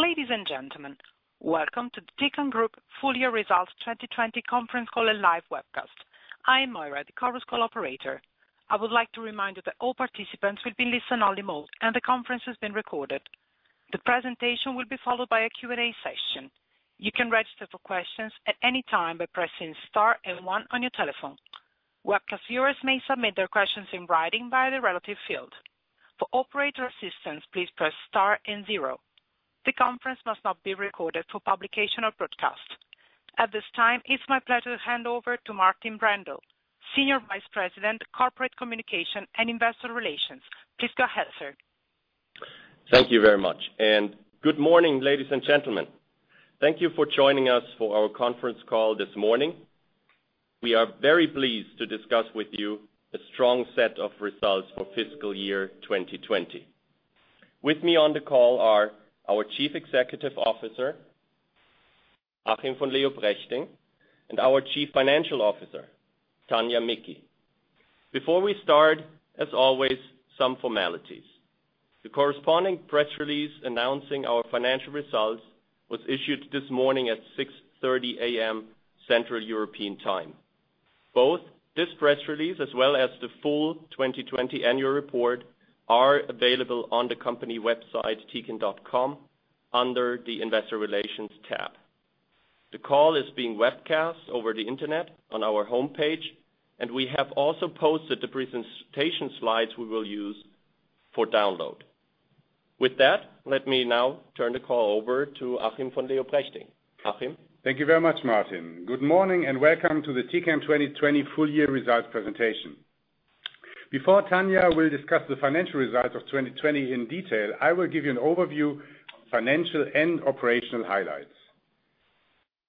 Ladies and gentlemen, welcome to the Tecan Group full year results 2020 conference call and live webcast. I am Moira, the conference call operator. I would like to remind you that all participants will be in listen only mode, and the conference is being recorded. The presentation will be followed by a Q&A session. You can register for questions at any time by pressing star and one on your telephone. Webcast viewers may submit their questions in writing by the relative field. For operator assistance, please press star and zero. The conference must not be recorded for publication or broadcast. At this time, it's my pleasure to hand over to Martin Brändle, Senior Vice President, Corporate Communication and Investor Relations. Please go ahead, sir. Thank you very much. Good morning, ladies and gentlemen. Thank you for joining us for our conference call this morning. We are very pleased to discuss with you a strong set of results for fiscal year 2020. With me on the call are our Chief Executive Officer, Achim von Leoprechting, and our Chief Financial Officer, Tania Micki. Before we start, as always, some formalities. The corresponding press release announcing our financial results was issued this morning at 6:30 A.M., Central European Time. Both this press release as well as the full 2020 annual report are available on the company website, tecan.com, under the Investor Relations tab. The call is being webcast over the internet on our homepage. We have also posted the presentation slides we will use for download. With that, let me now turn the call over to Achim von Leoprechting. Achim? Thank you very much, Martin. Good morning and welcome to the Tecan 2020 full year results presentation. Before Tania will discuss the financial results of 2020 in detail, I will give you an overview of financial and operational highlights.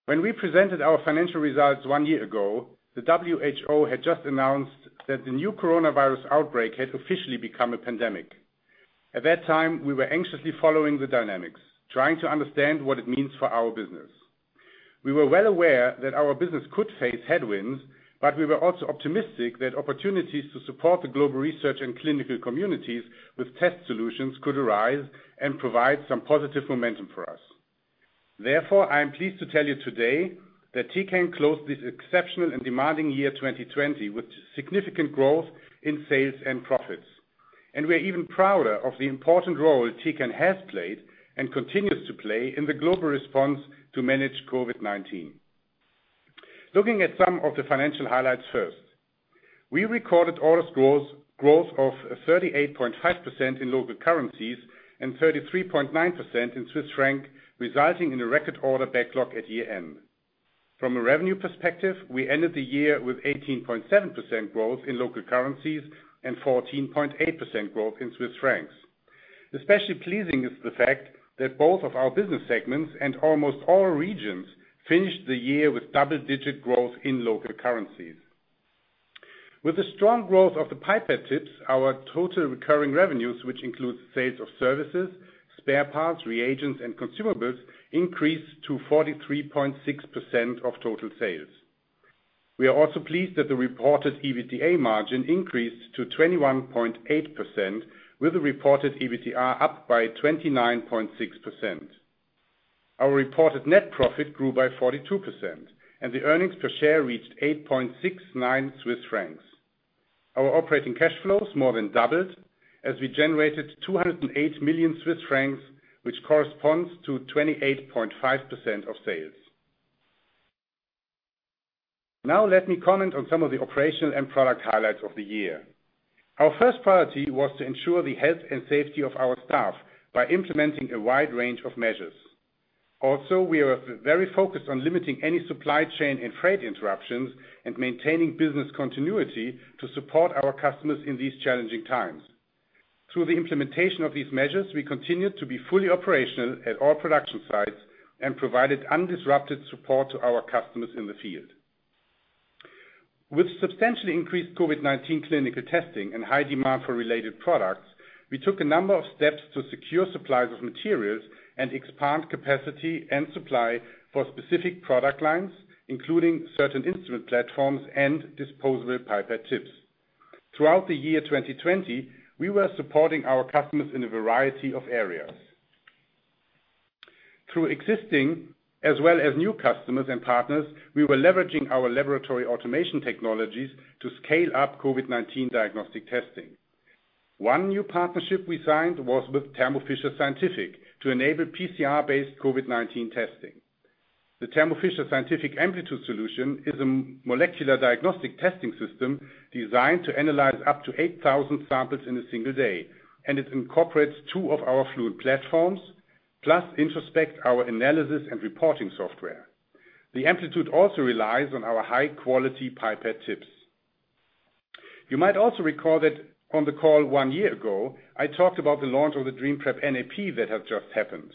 When we presented our financial results one year ago, the WHO had just announced that the new coronavirus outbreak had officially become a pandemic. At that time, we were anxiously following the dynamics, trying to understand what it means for our business. We were well aware that our business could face headwinds, but we were also optimistic that opportunities to support the global research and clinical communities with test solutions could arise and provide some positive momentum for us. Therefore, I am pleased to tell you today that Tecan closed this exceptional and demanding year 2020 with significant growth in sales and profits, and we're even prouder of the important role Tecan has played and continues to play in the global response to manage COVID-19. Looking at some of the financial highlights first. We recorded orders growth of 38.5% in local currencies and 33.9% in Swiss franc, resulting in a record order backlog at year-end. From a revenue perspective, we ended the year with 18.7% growth in local currencies and 14.8% growth in Swiss franc. Especially pleasing is the fact that both of our business segments and almost all regions finished the year with double-digit growth in local currencies. With the strong growth of the pipette tips, our total recurring revenues, which includes sales of services, spare parts, reagents, and consumables, increased to 43.6% of total sales. We are also pleased that the reported EBITDA margin increased to 21.8% with the reported EBITDA up by 29.6%. Our reported net profit grew by 42%, and the earnings per share reached 8.69 Swiss francs. Our operating cash flows more than doubled as we generated 208 million Swiss francs, which corresponds to 28.5% of sales. Let me comment on some of the operational and product highlights of the year. Our first priority was to ensure the health and safety of our staff by implementing a wide range of measures. We are very focused on limiting any supply chain and freight interruptions and maintaining business continuity to support our customers in these challenging times. Through the implementation of these measures, we continued to be fully operational at all production sites and provided undisrupted support to our customers in the field. With substantially increased COVID-19 clinical testing and high demand for related products, we took a number of steps to secure supplies of materials and expand capacity and supply for specific product lines, including certain instrument platforms and disposable pipette tips. Throughout the year 2020, we were supporting our customers in a variety of areas. Through existing as well as new customers and partners, we were leveraging our laboratory automation technologies to scale up COVID-19 diagnostic testing. One new partnership we signed was with Thermo Fisher Scientific to enable PCR-based COVID-19 testing. The Thermo Fisher Scientific Amplitude Solution is a molecular diagnostic testing system designed to analyze up to 8,000 samples in a single day, and it incorporates two of our Fluent platforms, plus Introspect, our analysis and reporting software. The Amplitude also relies on our high-quality pipette tips. You might also recall that on the call one year ago, I talked about the launch of the DreamPrep NAP that had just happened,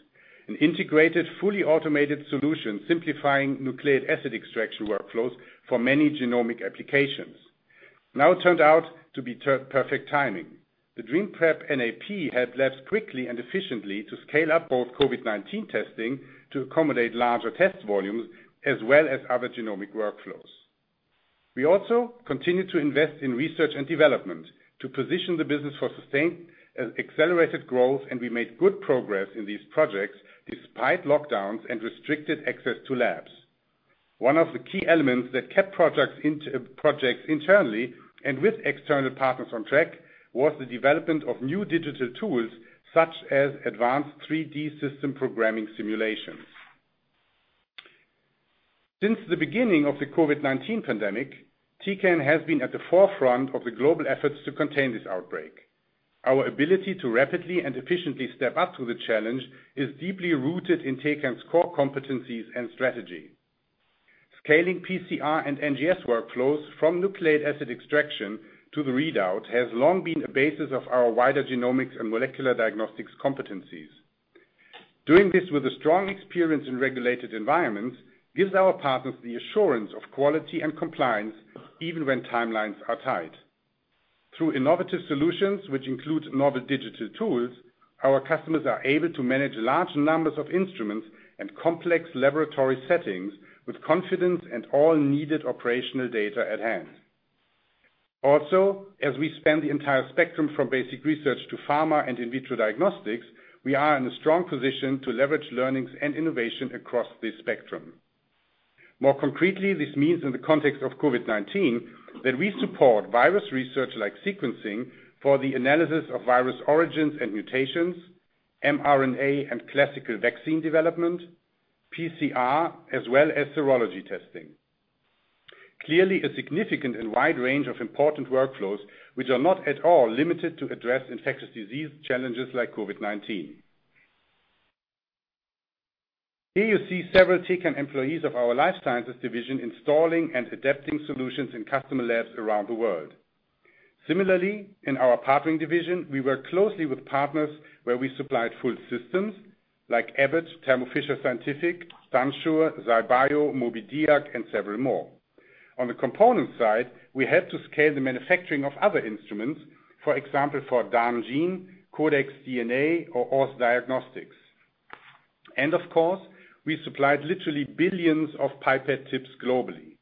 an integrated, fully automated solution simplifying nucleic acid extraction workflows for many genomic applications. Now it turned out to be perfect timing. The DreamPrep NAP helped labs quickly and efficiently to scale up both COVID-19 testing to accommodate larger test volumes as well as other genomic workflows. We also continue to invest in research and development to position the business for sustained and accelerated growth. We made good progress in these projects despite lockdowns and restricted access to labs. One of the key elements that kept projects internally and with external partners on track, was the development of new digital tools, such as advanced 3D system programming simulations. Since the beginning of the COVID-19 pandemic, Tecan has been at the forefront of the global efforts to contain this outbreak. Our ability to rapidly and efficiently step up to the challenge is deeply rooted in Tecan's core competencies and strategy. Scaling PCR and NGS workflows from nucleic acid extraction to the readout has long been a basis of our wider genomics and molecular diagnostics competencies. Doing this with a strong experience in regulated environments, gives our partners the assurance of quality and compliance even when timelines are tight. Through innovative solutions, which include novel digital tools, our customers are able to manage large numbers of instruments and complex laboratory settings with confidence and all needed operational data at hand. As we span the entire spectrum from basic research to pharma and in vitro diagnostics, we are in a strong position to leverage learnings and innovation across this spectrum. More concretely, this means in the context of COVID-19, that we support virus research like sequencing for the analysis of virus origins and mutations, mRNA and classical vaccine development, PCR, as well as serology testing. Clearly, a significant and wide range of important workflows, which are not at all limited to address infectious disease challenges like COVID-19. Here you see several Tecan employees of our Life Sciences division installing and adapting solutions in customer labs around the world. Similarly, in our Partnering division, we work closely with partners where we supplied full systems like Abbott, Thermo Fisher Scientific, Sansure, Zybio, Mobidiag, and several more. On the component side, we had to scale the manufacturing of other instruments, for example, for Daan Gene, Codex DNA, or Ortho Diagnostics. Of course, we supplied literally billions of pipette tips globally.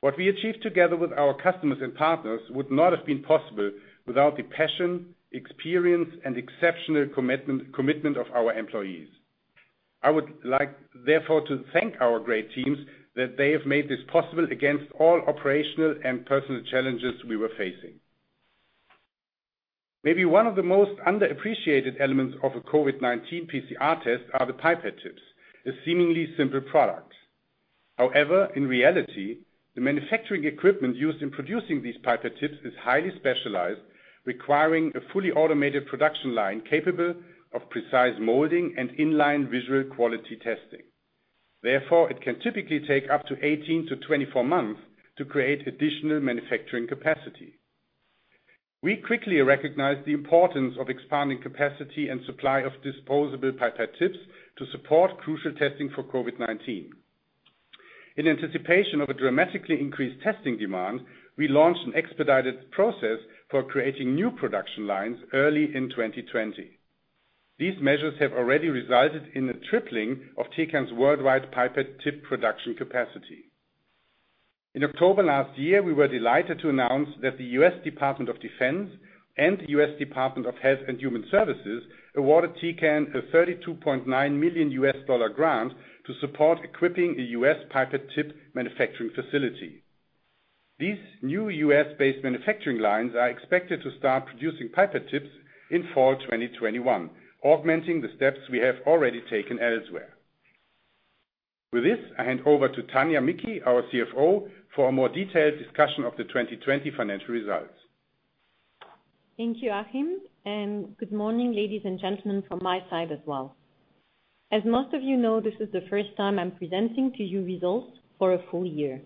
What we achieved together with our customers and partners would not have been possible without the passion, experience, and exceptional commitment of our employees. I would like to thank our great teams that they have made this possible against all operational and personal challenges we were facing. Maybe one of the most underappreciated elements of a COVID-19 PCR test are the pipette tips, a seemingly simple product. However, in reality, the manufacturing equipment used in producing these pipette tips is highly specialized, requiring a fully automated production line capable of precise molding and in-line visual quality testing. It can typically take up to 18-24 months to create additional manufacturing capacity. We quickly recognized the importance of expanding capacity and supply of disposable pipette tips to support crucial testing for COVID-19. In anticipation of a dramatically increased testing demand, we launched an expedited process for creating new production lines early in 2020. These measures have already resulted in a tripling of Tecan's worldwide pipette tip production capacity. In October last year, we were delighted to announce that the U.S. Department of Defense and U.S. Department of Health and Human Services awarded Tecan a $32.9 million grant to support equipping a U.S. pipette tip manufacturing facility. These new U.S.-based manufacturing lines are expected to start producing pipette tips in fall 2021, augmenting the steps we have already taken elsewhere. With this, I hand over to Tania Micki, our CFO, for a more detailed discussion of the 2020 financial results. Thank you, Achim, and good morning, ladies and gentlemen, from my side as well. As most of you know, this is the first time I'm presenting to you results for a full year.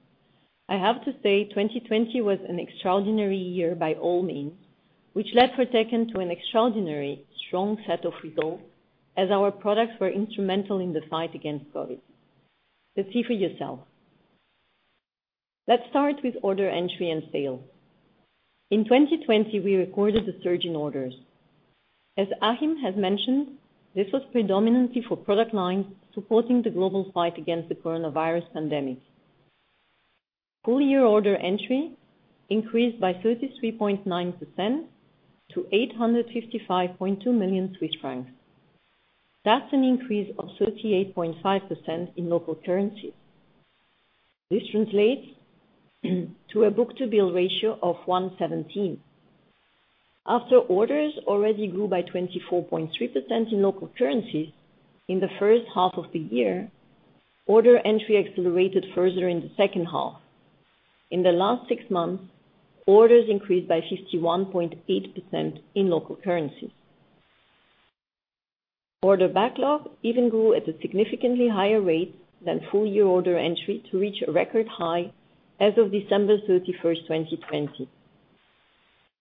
I have to say, 2020 was an extraordinary year by all means, which led for Tecan to an extraordinary strong set of results as our products were instrumental in the fight against COVID. See for yourself. Let's start with order entry and sale. In 2020, we recorded a surge in orders. As Achim has mentioned, this was predominantly for product lines supporting the global fight against the coronavirus pandemic. Full year order entry increased by 33.9% to 855.2 million Swiss francs. That's an increase of 38.5% in local currency. This translates to a book-to-bill ratio of 1.17. After orders already grew by 24.3% in local currencies in the first half of the year, order entry accelerated further in the second half. In the last six months, orders increased by 51.8% in local currency. Order backlog even grew at a significantly higher rate than full year order entry to reach a record high as of December 31st, 2020.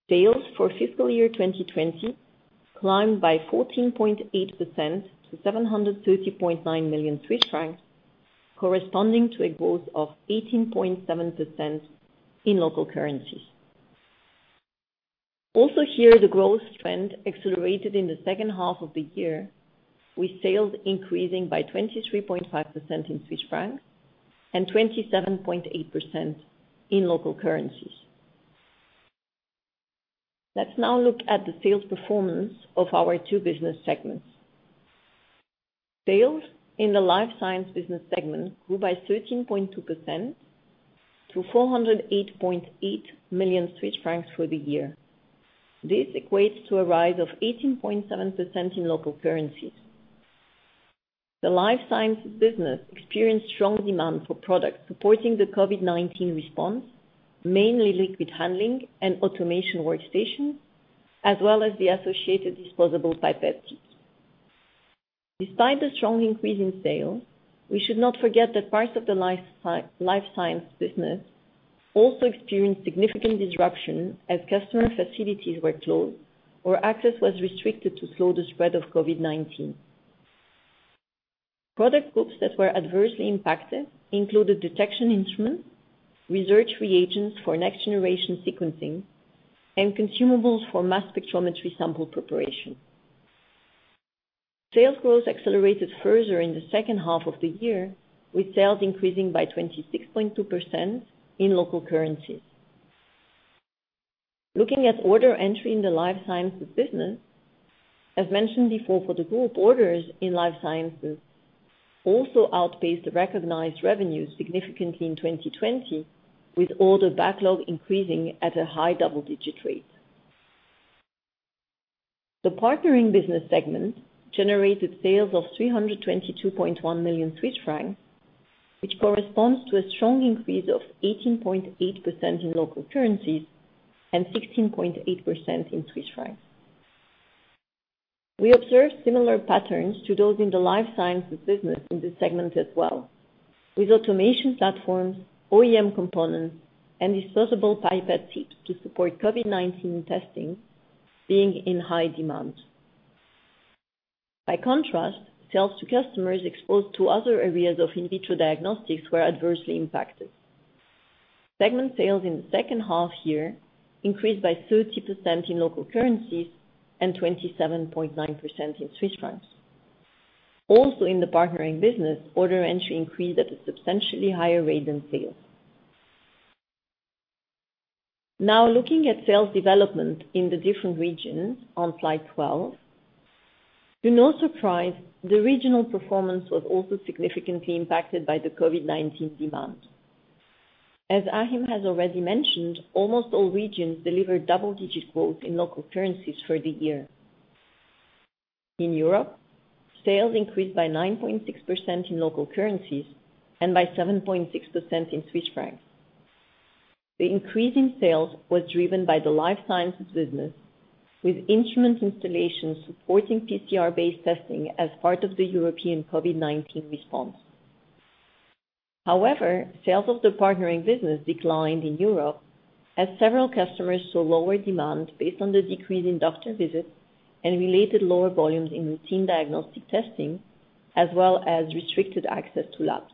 Sales for fiscal year 2020 climbed by 14.8% to 730.9 million Swiss francs, corresponding to a growth of 18.7% in local currency. Also here, the growth trend accelerated in the second half of the year, with sales increasing by 23.5% in Swiss franc and 27.8% in local currencies. Let's now look at the sales performance of our two business segments. Sales in the Life Sciences business segment grew by 13.2% to 408.8 million Swiss francs for the year. This equates to a rise of 18.7% in local currencies. The Life Sciences business experienced strong demand for products supporting the COVID-19 response, mainly liquid handling and automation workstations, as well as the associated disposable pipette tips. Despite the strong increase in sales, we should not forget that parts of the Life Sciences business also experienced significant disruption as customer facilities were closed or access was restricted to slow the spread of COVID-19. Product groups that were adversely impacted included detection instruments, research reagents for next-generation sequencing, and consumables for mass spectrometry sample preparation. Sales growth accelerated further in the second half of the year, with sales increasing by 26.2% in local currencies. Looking at order entry in the Life Sciences business, as mentioned before for the group, orders in Life Sciences also outpaced recognized revenues significantly in 2020, with order backlog increasing at a high double-digit rate. The Partnering business segment generated sales of 322.1 million Swiss francs, which corresponds to a strong increase of 18.8% in local currencies and 16.8% in Swiss franc. We observed similar patterns to those in the Life Sciences business in this segment as well, with automation platforms, OEM components, and disposable pipette tips to support COVID-19 testing being in high demand. By contrast, sales to customers exposed to other areas of in vitro diagnostics were adversely impacted. Segment sales in the second half year increased by 30% in local currencies and 27.9% in Swiss franc. Also in the Partnering business, order entry increased at a substantially higher rate than sales. Now looking at sales development in the different regions on slide 12. To no surprise, the regional performance was also significantly impacted by the COVID-19 demand. As Achim has already mentioned, almost all regions delivered double-digit growth in local currencies for the year. In Europe, sales increased by 9.6% in local currencies and by 7.6% in Swiss franc. The increase in sales was driven by the Life Sciences business, with instrument installations supporting PCR-based testing as part of the European COVID-19 response. However, sales of the Partnering business declined in Europe as several customers saw lower demand based on the decrease in doctor visits and related lower volumes in routine diagnostic testing, as well as restricted access to labs.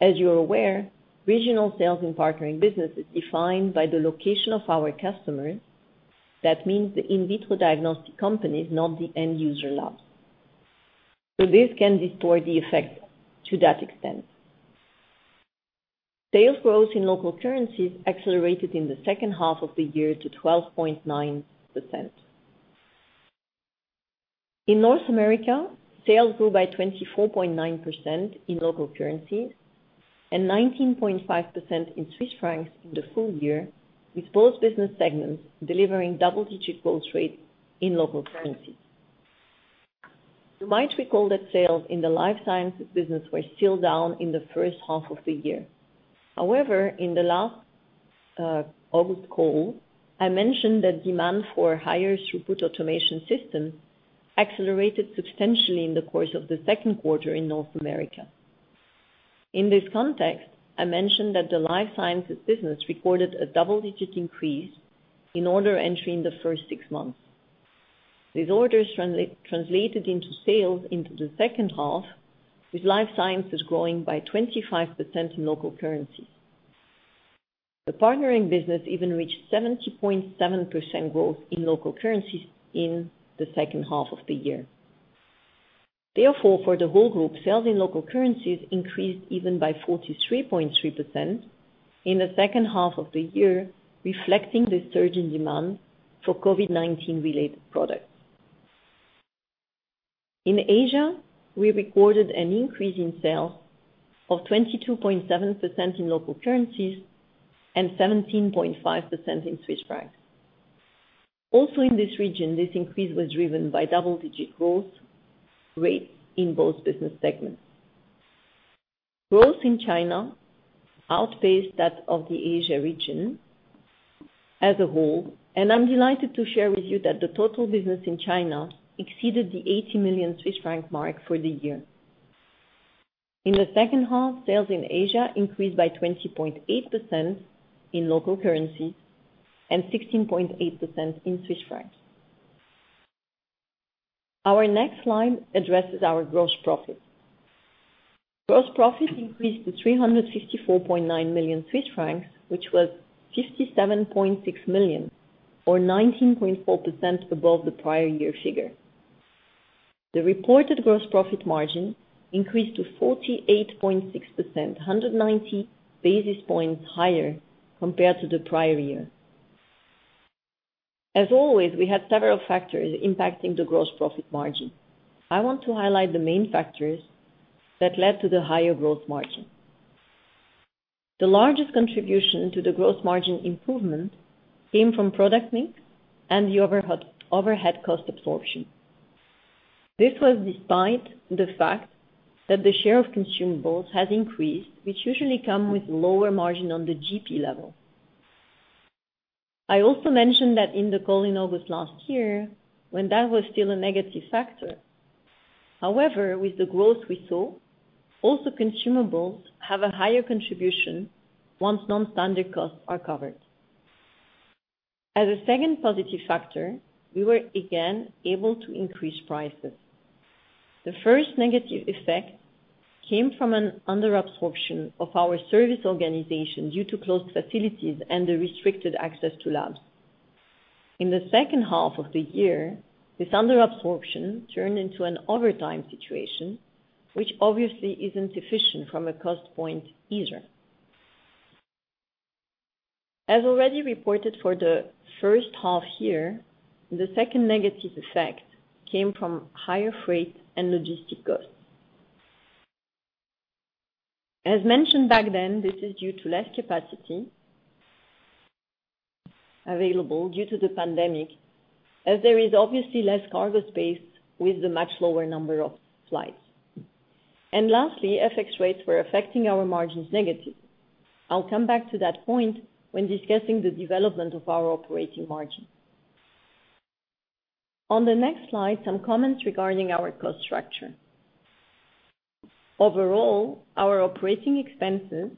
As you are aware, regional sales in Partnering business is defined by the location of our customers. That means the in vitro diagnostic companies, not the end user labs. This can distort the effect to that extent. Sales growth in local currencies accelerated in the second half of the year to 12.9%. In North America, sales grew by 24.9% in local currencies and 19.5% in Swiss franc in the full year, with both business segments delivering double-digit growth rates in local currencies. You might recall that sales in the Life Sciences business were still down in the first half of the year. However, in the last August call, I mentioned that demand for higher throughput automation systems accelerated substantially in the course of the second quarter in North America. In this context, I mentioned that the Life Sciences business recorded a double-digit increase in order entry in the first six months. These orders translated into sales into the second half, with Life Sciences growing by 25% in local currency. The Partnering business even reached 70.7% growth in local currencies in the second half of the year. Therefore, for the whole group, sales in local currencies increased even by 43.3% in the second half of the year, reflecting the surge in demand for COVID-19 related products. In Asia, we recorded an increase in sales of 22.7% in local currencies and 17.5% in Swiss franc. Also in this region, this increase was driven by double-digit growth rates in both business segments. Growth in China outpaced that of the Asia region as a whole, and I'm delighted to share with you that the total business in China exceeded the 80 million Swiss franc mark for the year. In the second half, sales in Asia increased by 20.8% in local currencies and 16.8% in Swiss franc. Our next slide addresses our gross profit. Gross profit increased to 354.9 million Swiss francs, which was 57.6 million or 19.4% above the prior year figure. The reported gross profit margin increased to 48.6%, 190 basis points higher compared to the prior year. As always, we had several factors impacting the gross profit margin. I want to highlight the main factors that led to the higher gross profit margin. The largest contribution to the gross profit margin improvement came from product mix and the overhead cost absorption. This was despite the fact that the share of consumables has increased, which usually come with lower margin on the GP level. I also mentioned that in the call in August last year, when that was still a negative factor. However, with the growth we saw, also consumables have a higher contribution once non-standard costs are covered. As a second positive factor, we were again able to increase prices. The first negative effect came from an under absorption of our service organization due to closed facilities and the restricted access to labs. In the second half of the year, this under absorption turned into an overtime situation, which obviously isn't efficient from a cost point either. As already reported for the first half year, the second negative effect came from higher freight and logistic costs. As mentioned back then, this is due to less capacity available due to the pandemic, as there is obviously less cargo space with the much lower number of flights. Lastly, FX rates were affecting our margins negative. I'll come back to that point when discussing the development of our operating margin. On the next slide, some comments regarding our cost structure. Overall, our operating expenses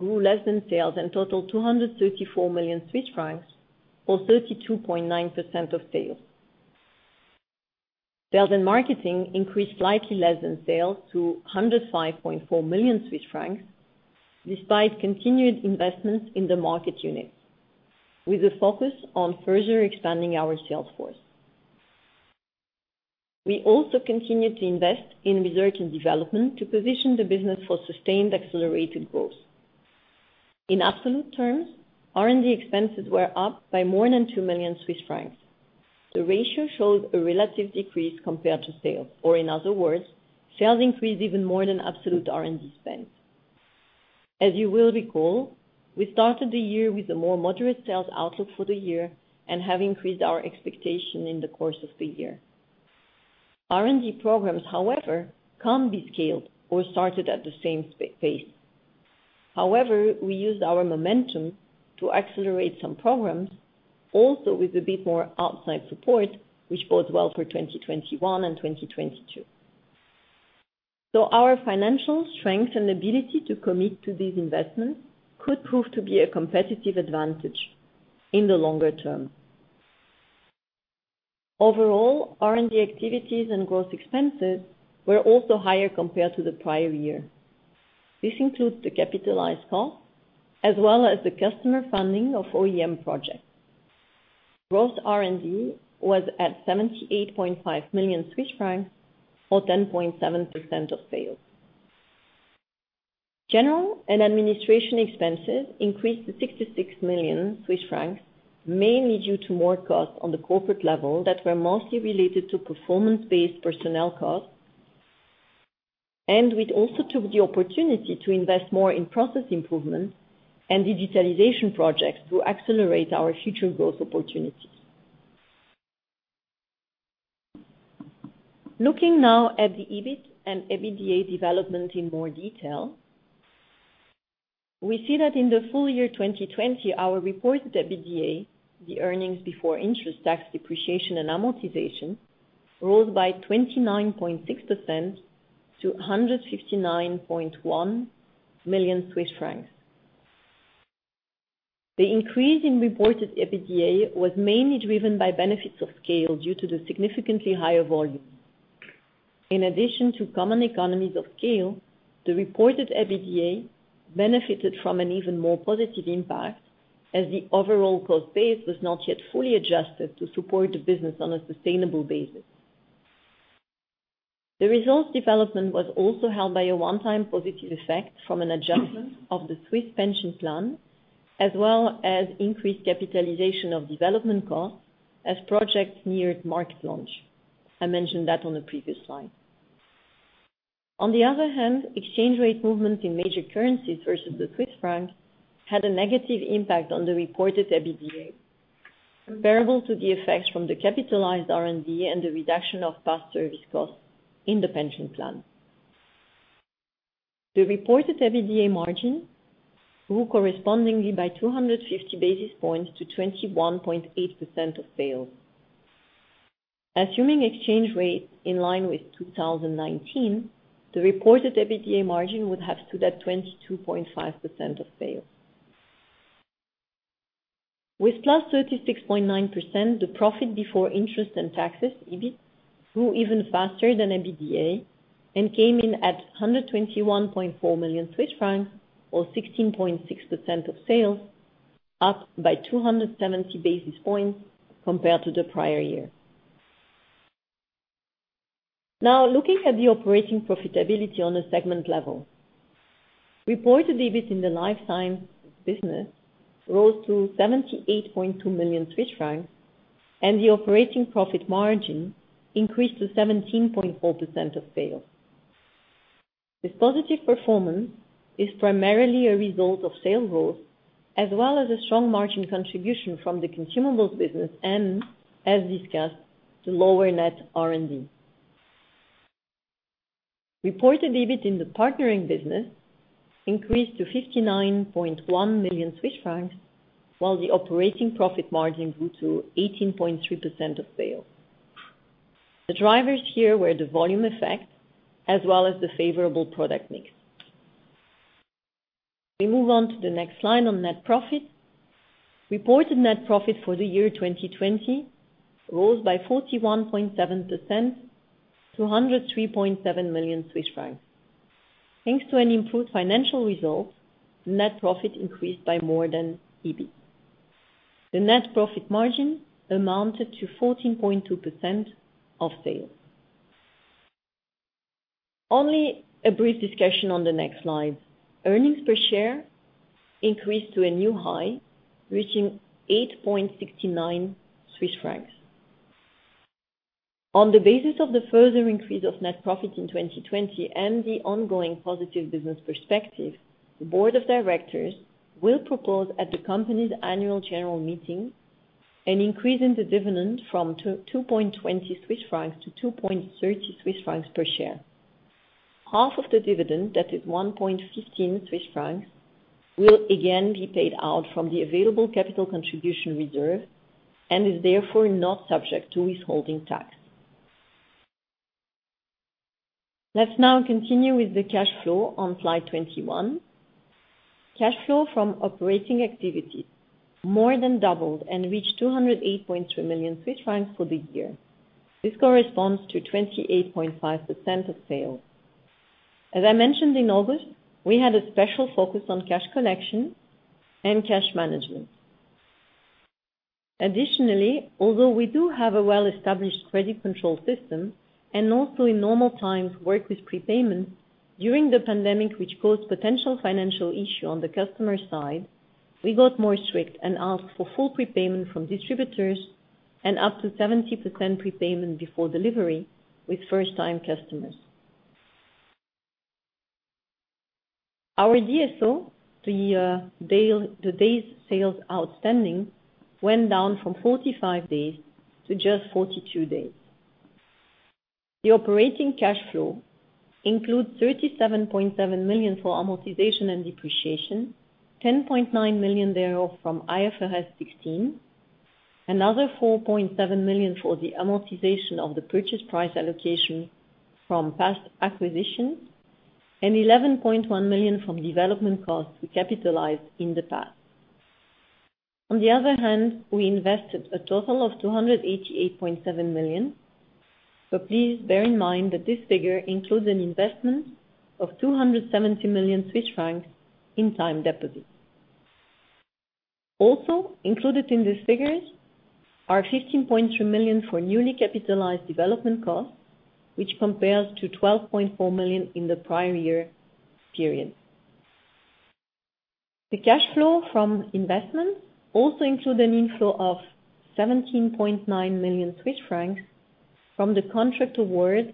grew less than sales and totaled 234 million francs or 32.9% of sales. Sales and marketing increased slightly less than sales to 105.4 million Swiss francs, despite continued investments in the market unit, with a focus on further expanding our sales force. We also continued to invest in R&D to position the business for sustained accelerated growth. In absolute terms, R&D expenses were up by more than 2 million Swiss francs. The ratio showed a relative decrease compared to sales. In other words, sales increased even more than absolute R&D spend. As you will recall, we started the year with a more moderate sales outlook for the year and have increased our expectation in the course of the year. R&D programs, however, can't be scaled or started at the same pace. However, we used our momentum to accelerate some programs also with a bit more outside support, which bodes well for 2021 and 2022. Our financial strength and ability to commit to these investments could prove to be a competitive advantage in the longer term. Overall, R&D activities and growth expenses were also higher compared to the prior year. This includes the capitalized cost as well as the customer funding of OEM projects. Gross R&D was at 78.5 million Swiss francs or 10.7% of sales. General and administration expenses increased to 66 million Swiss francs, mainly due to more costs on the corporate level that were mostly related to performance-based personnel costs, and we'd also took the opportunity to invest more in process improvement and digitalization projects to accelerate our future growth opportunities. Looking now at the EBIT and EBITDA development in more detail, we see that in the full year 2020, our reported EBITDA, the earnings before interest, tax, depreciation and amortization, rose by 29.6% to 159.1 million Swiss francs. The increase in reported EBITDA was mainly driven by benefits of scale due to the significantly higher volume. In addition to common economies of scale, the reported EBITDA benefited from an even more positive impact as the overall cost base was not yet fully adjusted to support the business on a sustainable basis. The results development was also helped by a one-time positive effect from an adjustment of the Swiss pension plan, as well as increased capitalization of development costs as projects neared market launch. I mentioned that on the previous slide. On the other hand, exchange rate movement in major currencies versus the Swiss franc had a negative impact on the reported EBITDA, comparable to the effect from the capitalized R&D and the reduction of past service costs in the pension plan. The reported EBITDA margin grew correspondingly by 250 basis points to 21.8% of sales. Assuming exchange rates in line with 2019, the reported EBITDA margin would have stood at 22.5% of sales. With +36.9%, the profit before interest and taxes, EBIT, grew even faster than EBITDA and came in at 121.4 million Swiss francs, or 16.6% of sales, up by 270 basis points compared to the prior year. Now, looking at the operating profitability on a segment level. Reported EBIT in the Life Sciences business rose to 78.2 million Swiss francs, and the operating profit margin increased to 17.4% of sales. This positive performance is primarily a result of sales growth, as well as a strong margin contribution from the consumables business and, as discussed, the lower net R&D. Reported EBIT in the partnering business increased to 59.1 million Swiss francs, while the operating profit margin grew to 18.3% of sales. The drivers here were the volume effect, as well as the favorable product mix. We move on to the next slide on net profit. Reported net profit for the year 2020 rose by 41.7% to 103.7 million Swiss francs. Thanks to an improved financial result, net profit increased by more than EBIT. The net profit margin amounted to 14.2% of sales. Only a brief discussion on the next slide. Earnings per share increased to a new high, reaching 8.69 Swiss francs. On the basis of the further increase of net profit in 2020 and the ongoing positive business perspective, the board of directors will propose at the company's annual general meeting an increase in the dividend from 2.20 Swiss francs to 2.30 Swiss francs per share. Half of the dividend, that is 1.15 Swiss francs, will again be paid out from the available capital contribution reserve and is therefore not subject to withholding tax. Let's now continue with the cash flow on slide 21. Cash flow from operating activities more than doubled and reached 208.3 million Swiss francs for the year. This corresponds to 28.5% of sales. As I mentioned in August, we had a special focus on cash collection and cash management. Additionally, although we do have a well-established credit control system and also in normal times work with prepayment, during the pandemic, which caused potential financial issue on the customer side, we got more strict and asked for full prepayment from distributors and up to 70% prepayment before delivery with first-time customers. Our DSO, the days sales outstanding, went down from 45 days to just 42 days. The operating cash flow includes 37.7 million for amortization and depreciation, 10.9 million thereof from IFRS 16, another 4.7 million for the amortization of the purchase price allocation from past acquisitions, and 11.1 million from development costs we capitalized in the past. We invested a total of 288.7 million. Please bear in mind that this figure includes an investment of 270 million Swiss francs in time deposits. Included in these figures are 15.3 million for newly capitalized development costs, which compares to 12.4 million in the prior year period. The cash flow from investments also include an inflow of 17.9 million Swiss francs from the contract award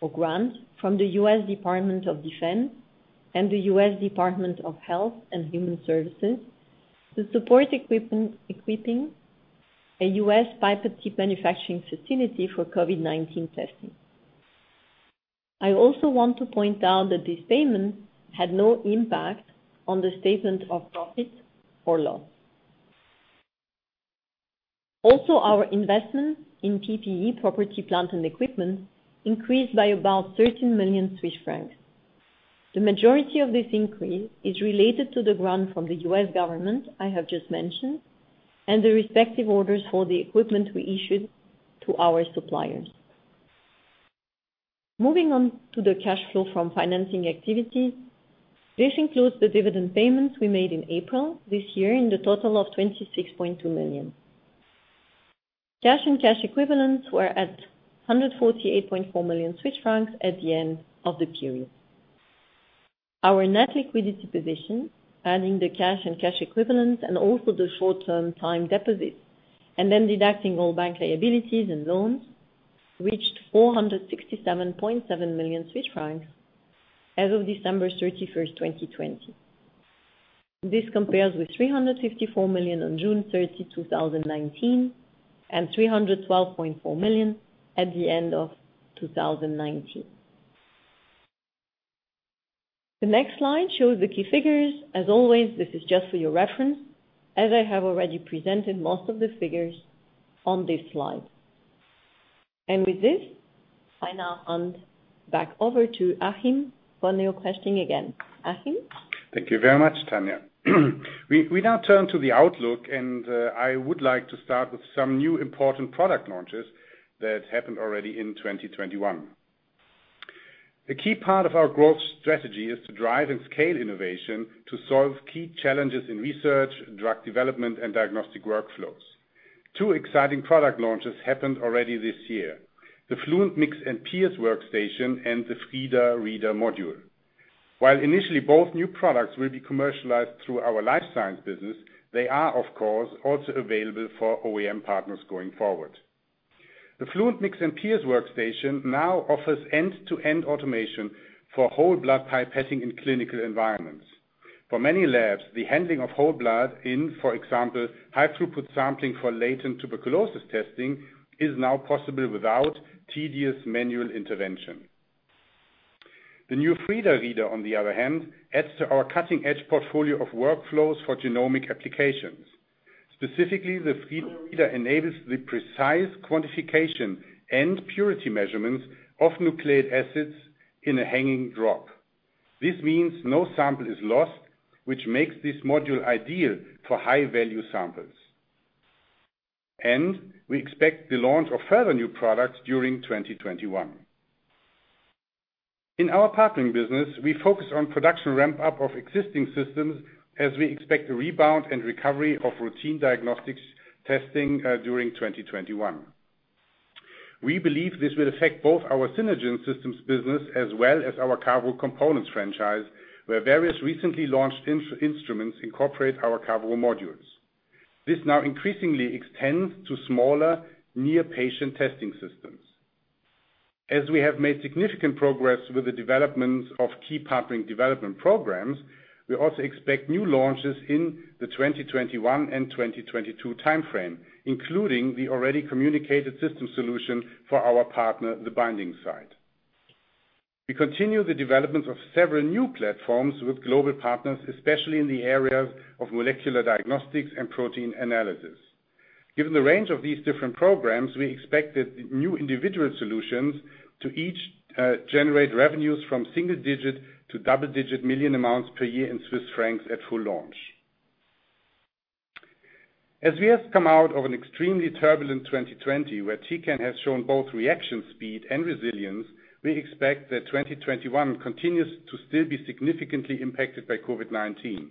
for grants from the U.S. Department of Defense and the U.S. Department of Health and Human Services to support equipping a U.S. pipette tip manufacturing facility for COVID-19 testing. I also want to point out that this payment had no impact on the statement of profit or loss. Our investment in PPE, property, plant, and equipment, increased by about 13 million Swiss francs. The majority of this increase is related to the grant from the U.S. government I have just mentioned and the respective orders for the equipment we issued to our suppliers. Moving on to the cash flow from financing activity. This includes the dividend payments we made in April this year in the total of 26.2 million. Cash and cash equivalents were at 148.4 million Swiss francs at the end of the period. Our net liquidity position, adding the cash and cash equivalents and also the short-term time deposits, and then deducting all bank liabilities and loans, reached 467.7 million Swiss francs as of December 31st, 2020. This compares with 354 million on June 30, 2019, and 312.4 million at the end of 2019. The next slide shows the key figures. As always, this is just for your reference, as I have already presented most of the figures on this slide. With this, I now hand back over to Achim for new questioning again. Achim? Thank you very much, Tania. We now turn to the outlook, and I would like to start with some new important product launches that happened already in 2021. The key part of our growth strategy is to drive and scale innovation to solve key challenges in research, drug development, and diagnostic workflows. Two exciting product launches happened already this year: the Fluent Mix and Pierce workstation and the Frida Reader module. While initially both new products will be commercialized through our Life Sciences business, they are, of course, also available for OEM partners going forward. The Fluent Mix and Pierce workstation now offers end-to-end automation for whole blood pipetting in clinical environments. For many labs, the handling of whole blood in, for example, high throughput sampling for latent tuberculosis testing, is now possible without tedious manual intervention. The new Frida Reader, on the other hand, adds to our cutting-edge portfolio of workflows for genomic applications. Specifically, the Frida Reader enables the precise quantification and purity measurements of nucleic acids in a hanging drop. This means no sample is lost, which makes this module ideal for high-value samples. We expect the launch of further new products during 2021. In our Partnering business, we focus on production ramp-up of existing systems as we expect a rebound and recovery of routine diagnostics testing during 2021. We believe this will affect both our Synergence Systems business as well as our Cavro Components franchise, where various recently launched instruments incorporate our Cavro modules. This now increasingly extends to smaller near-patient testing systems. As we have made significant progress with the development of key Partnering development programs, we also expect new launches in the 2021 and 2022 timeframe, including the already communicated system solution for our partner, The Binding Site. We continue the development of several new platforms with global partners, especially in the areas of molecular diagnostics and protein analysis. Given the range of these different programs, we expect that new individual solutions to each generate revenues from single digit to double digit million amounts per year in Swiss franc at full launch. We have come out of an extremely turbulent 2020, where Tecan has shown both reaction speed and resilience, we expect that 2021 continues to still be significantly impacted by COVID-19.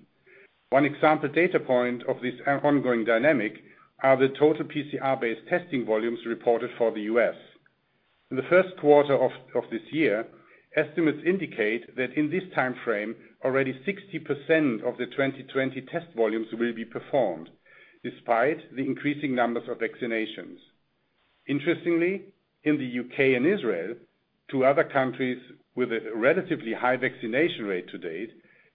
One example data point of this ongoing dynamic are the total PCR-based testing volumes reported for the U.S. In the first quarter of this year, estimates indicate that in this timeframe, already 60% of the 2020 test volumes will be performed, despite the increasing numbers of vaccinations. Interestingly, in the U.K. and Israel, two other countries with a relatively high vaccination rate to date,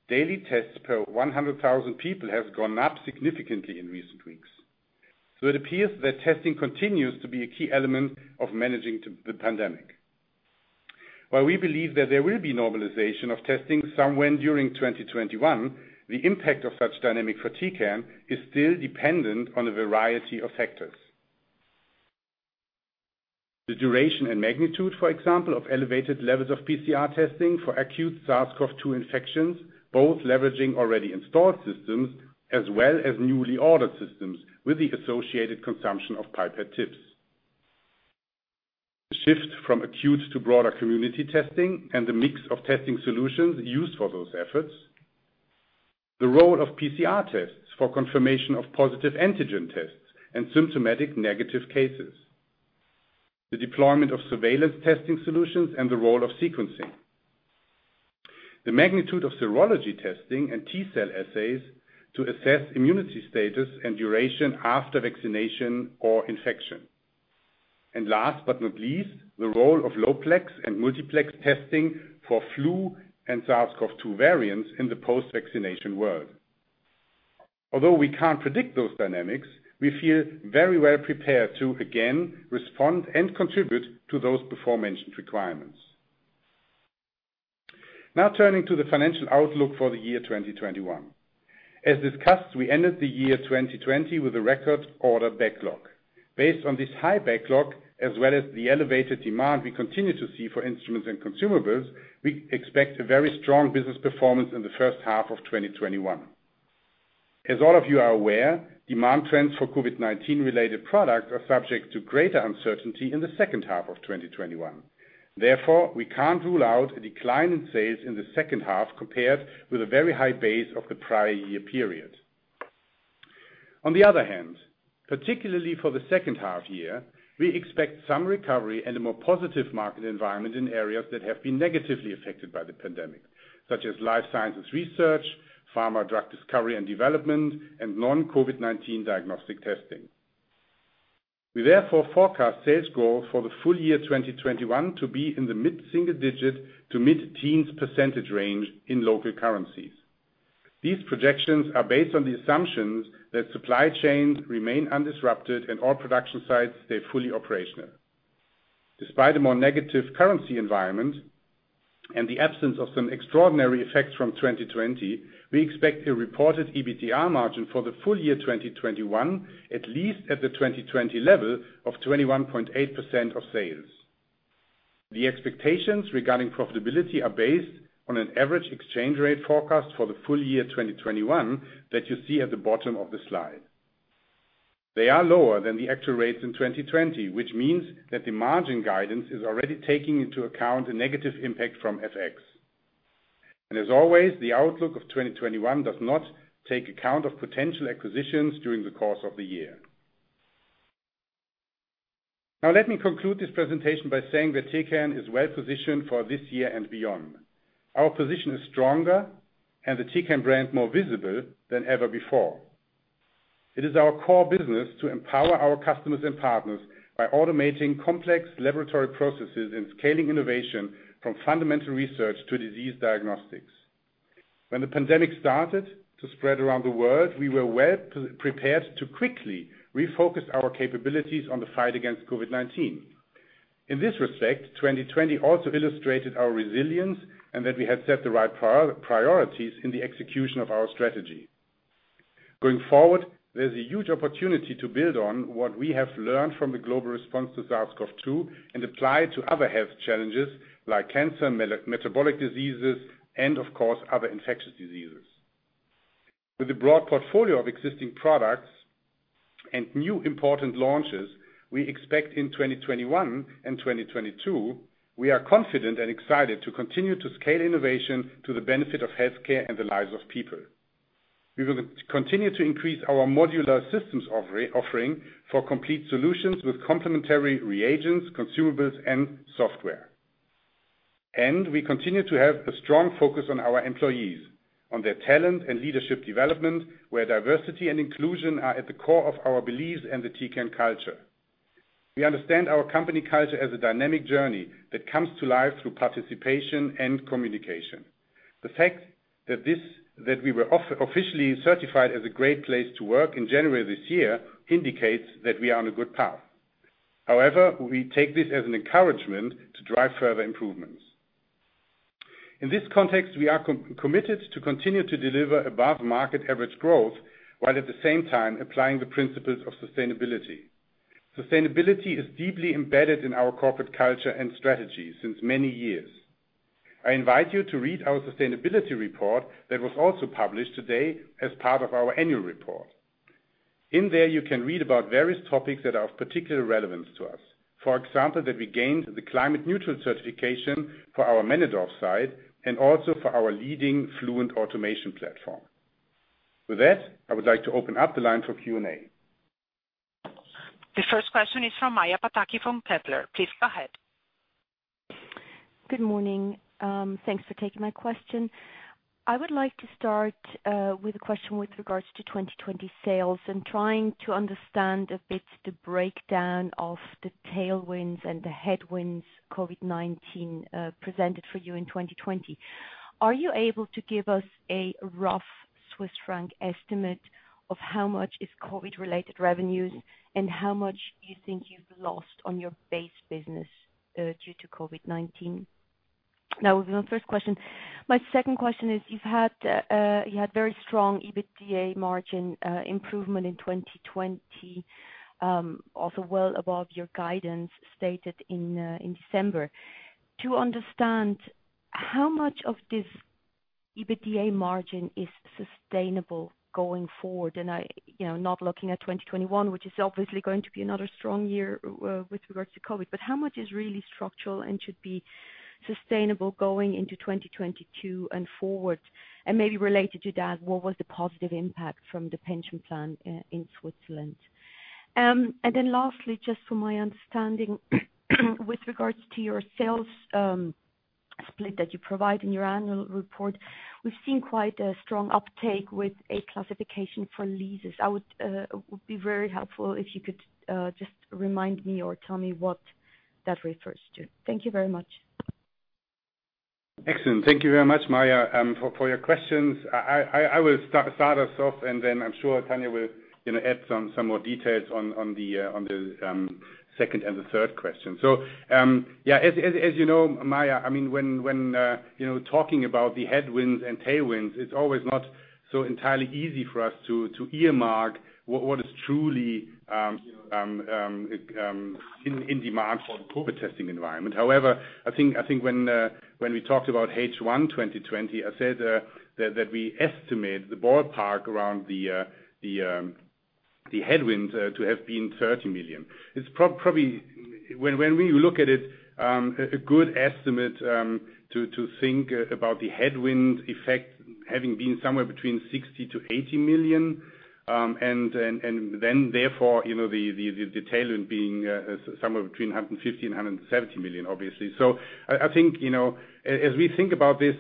daily tests per 100,000 people has gone up significantly in recent weeks. It appears that testing continues to be a key element of managing the pandemic. While we believe that there will be normalization of testing somewhere during 2021, the impact of such dynamic for Tecan is still dependent on a variety of factors. The duration and magnitude, for example, of elevated levels of PCR testing for acute SARS-CoV-2 infections, both leveraging already installed systems, as well as newly ordered systems with the associated consumption of pipette tips. The shift from acute to broader community testing and the mix of testing solutions used for those efforts. The role of PCR tests for confirmation of positive antigen tests and symptomatic negative cases. The deployment of surveillance testing solutions and the role of sequencing. The magnitude of serology testing and T-cell assays to assess immunity status and duration after vaccination or infection. Last but not least, the role of low-plex and multiplex testing for flu and SARS-CoV-2 variants in the post-vaccination world. Although we can't predict those dynamics, we feel very well prepared to, again, respond and contribute to those before mentioned requirements. Now turning to the financial outlook for the year 2021. As discussed, we ended the year 2020 with a record order backlog. Based on this high backlog, as well as the elevated demand we continue to see for instruments and consumables, we expect a very strong business performance in the first half of 2021. As all of you are aware, demand trends for COVID-19-related products are subject to greater uncertainty in the second half of 2021. We can't rule out a decline in sales in the second half compared with a very high base of the prior year period. Particularly for the second half year, we expect some recovery and a more positive market environment in areas that have been negatively affected by the pandemic, such as Life Sciences research, pharma drug discovery and development, and non-COVID-19 diagnostic testing. We forecast sales growth for the full year 2021 to be in the mid-single-digit to mid-teens percentage range in local currencies. These projections are based on the assumptions that supply chains remain undisrupted and all production sites stay fully operational. Despite a more negative currency environment and the absence of some extraordinary effects from 2020, we expect a reported EBITDA margin for the full year 2021, at least at the 2020 level of 21.8% of sales. The expectations regarding profitability are based on an average exchange rate forecast for the full year 2021 that you see at the bottom of the slide. They are lower than the actual rates in 2020, which means that the margin guidance is already taking into account a negative impact from FX. As always, the outlook of 2021 does not take account of potential acquisitions during the course of the year. Now let me conclude this presentation by saying that Tecan is well-positioned for this year and beyond. Our position is stronger and the Tecan brand more visible than ever before. It is our core business to empower our customers and partners by automating complex laboratory processes and scaling innovation from fundamental research to disease diagnostics. When the pandemic started to spread around the world, we were well prepared to quickly refocus our capabilities on the fight against COVID-19. In this respect, 2020 also illustrated our resilience and that we had set the right priorities in the execution of our strategy. Going forward, there's a huge opportunity to build on what we have learned from the global response to SARS-CoV-2 and apply to other health challenges like cancer, metabolic diseases, and of course, other infectious diseases. With a broad portfolio of existing products and new important launches we expect in 2021 and 2022, we are confident and excited to continue to scale innovation to the benefit of healthcare and the lives of people. We will continue to increase our modular systems offering for complete solutions with complementary reagents, consumables, and software. We continue to have a strong focus on our employees, on their talent and leadership development, where diversity and inclusion are at the core of our beliefs and the Tecan culture. We understand our company culture as a dynamic journey that comes to life through participation and communication. The fact that we were officially certified as a Great Place to Work in January this year indicates that we are on a good path. However, we take this as an encouragement to drive further improvements. In this context, we are committed to continue to deliver above market average growth, while at the same time applying the principles of sustainability. Sustainability is deeply embedded in our corporate culture and strategy since many years. I invite you to read our sustainability report that was also published today as part of our annual report. In there, you can read about various topics that are of particular relevance to us. For example, that we gained the climate neutral certification for our Männedorf site and also for our leading Fluent automation platform. With that, I would like to open up the line for Q&A. The first question is from Maja Pataki from Kepler. Please go ahead. Good morning. Thanks for taking my question. I would like to start with a question with regards to 2020 sales and trying to understand a bit the breakdown of the tailwinds and the headwinds COVID-19 presented for you in 2020. Are you able to give us a rough Swiss franc estimate of how much is COVID related revenues and how much you think you've lost on your base business, due to COVID-19? That was my first question. My second question is, you had very strong EBITDA margin improvement in 2020, also well above your guidance stated in December. To understand, how much of this EBITDA margin is sustainable going forward? Not looking at 2021, which is obviously going to be another strong year with regards to COVID, but how much is really structural and should be sustainable going into 2022 and forward? Maybe related to that, what was the positive impact from the pension plan in Switzerland? Lastly, just for my understanding with regards to your sales split that you provide in your annual report, we've seen quite a strong uptake with a classification for leases. It would be very helpful if you could just remind me or tell me what that refers to. Thank you very much. Excellent. Thank you very much, Maja, for your questions. I will start us off and then I'm sure Tania will add some more details on the second and the third question. As you know, Maja, when talking about the headwinds and tailwinds, it's always not so entirely easy for us to earmark what is truly in demand for the COVID testing environment. However, I think when we talked about H1 2020, I said that we estimate the ballpark around the headwinds to have been 30 million. When we look at it, a good estimate to think about the headwinds effect having been somewhere between 60 million-80 million, and then therefore, the tailwind being somewhere between 150 million and 170 million, obviously. I think, as we think about this,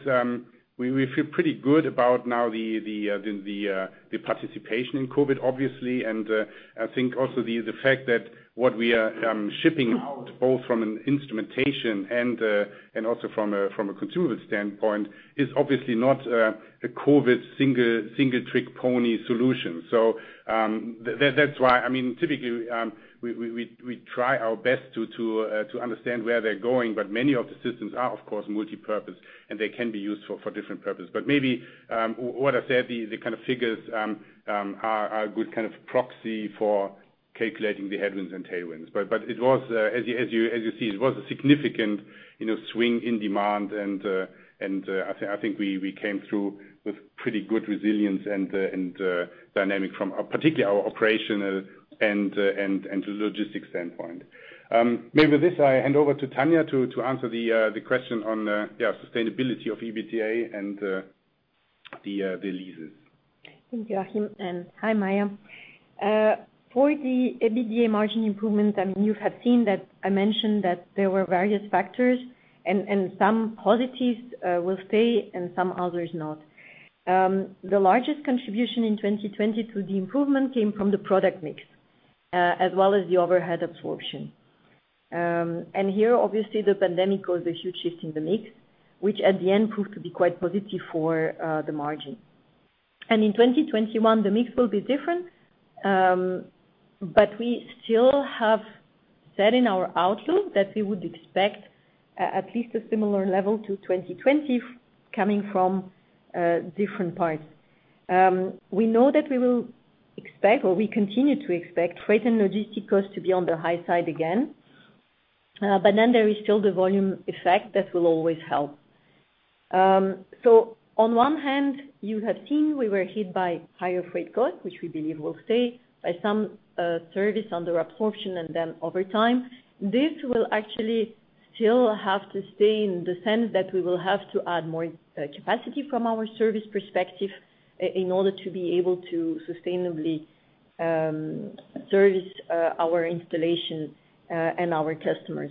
we feel pretty good about now the participation in COVID, obviously. I think also the fact that what we are shipping out, both from an instrumentation and also from a consumer standpoint, is obviously not a COVID single trick pony solution. That's why, typically, we try our best to understand where they're going, but many of the systems are, of course, multipurpose, and they can be used for different purpose. Maybe, what I said, the kind of figures are a good kind of proxy for calculating the headwinds and tailwinds. As you see, it was a significant swing in demand and I think we came through with pretty good resilience and dynamic from particularly our operational and to the logistics standpoint. Maybe with this, I hand over to Tania to answer the question on sustainability of EBITDA and the leases. Thank you, Achim, and hi, Maja. For the EBITDA margin improvement, you have seen that I mentioned that there were various factors and some positives will stay and some others not. The largest contribution in 2020 to the improvement came from the product mix, as well as the overhead absorption. Here, obviously, the pandemic caused a huge shift in the mix, which at the end proved to be quite positive for the margin. In 2021, the mix will be different, but we still have said in our outlook that we would expect at least a similar level to 2020 coming from different parts. We know that we will expect, or we continue to expect, freight and logistic costs to be on the high side again. There is still the volume effect that will always help. On one hand, you have seen we were hit by higher freight costs, which we believe will stay, by some service under absorption and then over time. This will actually still have to stay in the sense that we will have to add more capacity from our service perspective in order to be able to sustainably service our installation and our customers.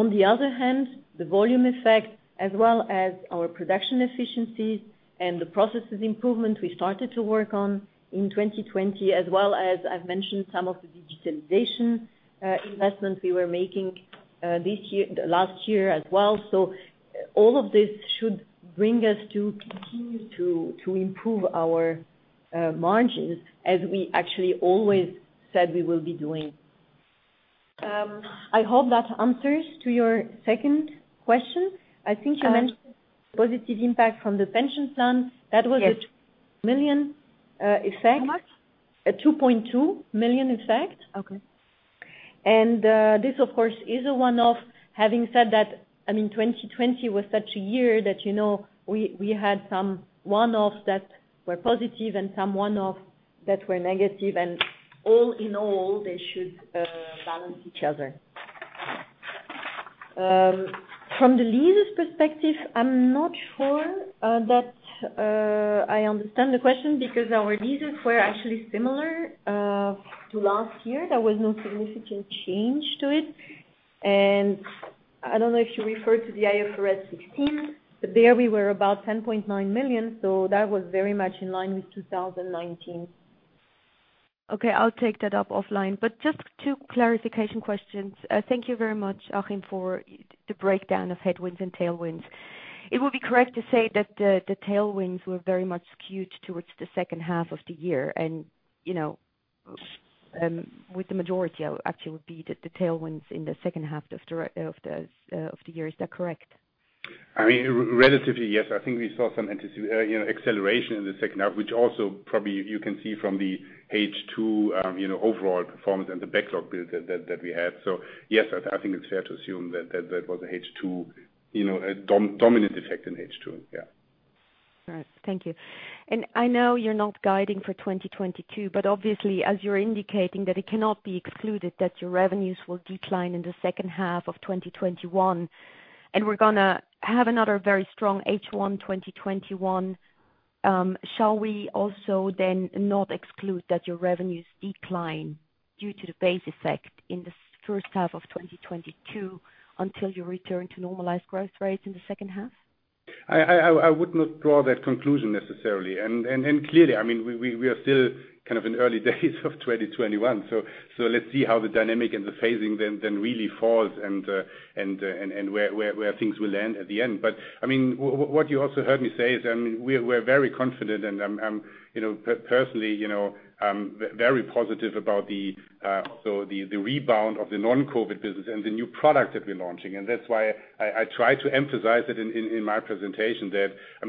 On the other hand, the volume effect as well as our production efficiencies and the processes improvement we started to work on in 2020, as well as I've mentioned some of the digitalization investments we were making last year as well. All of this should bring us to continue to improve our margins as we actually always said we will be doing. I hope that answers to your second question. I think you mentioned positive impact from the pension plan. Yes. That was a 2 million effect. How much? A 2.2 million effect. Okay. This, of course, is a one-off. Having said that, 2020 was such a year that we had some one-offs that were positive and some one-off that were negative and all in all, they should balance each other. From the leases perspective, I'm not sure that I understand the question because our leases were actually similar to last year. There was no significant change to it, and I don't know if you refer to the IFRS 16, but there we were about 10.9 million, so that was very much in line with 2019. Okay, I'll take that up offline. Just two clarification questions. Thank you very much, Achim, for the breakdown of headwinds and tailwinds. It would be correct to say that the tailwinds were very much skewed towards the second half of the year and with the majority, actually, would be the tailwinds in the second half of the year. Is that correct? Relatively, yes. I think we saw some acceleration in the second half, which also probably you can see from the H2 overall performance and the backlog build that we had. Yes, I think it's fair to assume that was H2, a dominant effect in H2. Yeah. All right. Thank you. I know you're not guiding for 2022, but obviously, as you're indicating that it cannot be excluded that your revenues will decline in the second half of 2021, and we're going to have another very strong H1 2021. Shall we also not exclude that your revenues decline due to the base effect in the first half of 2022 until you return to normalized growth rates in the second half? I would not draw that conclusion necessarily. Clearly, we are still kind of in early days of 2021, let's see how the dynamic and the phasing then really falls and where things will land at the end. What you also heard me say is we're very confident and I'm personally very positive about the rebound of the non-COVID business and the new product that we're launching. That's why I try to emphasize it in my presentation that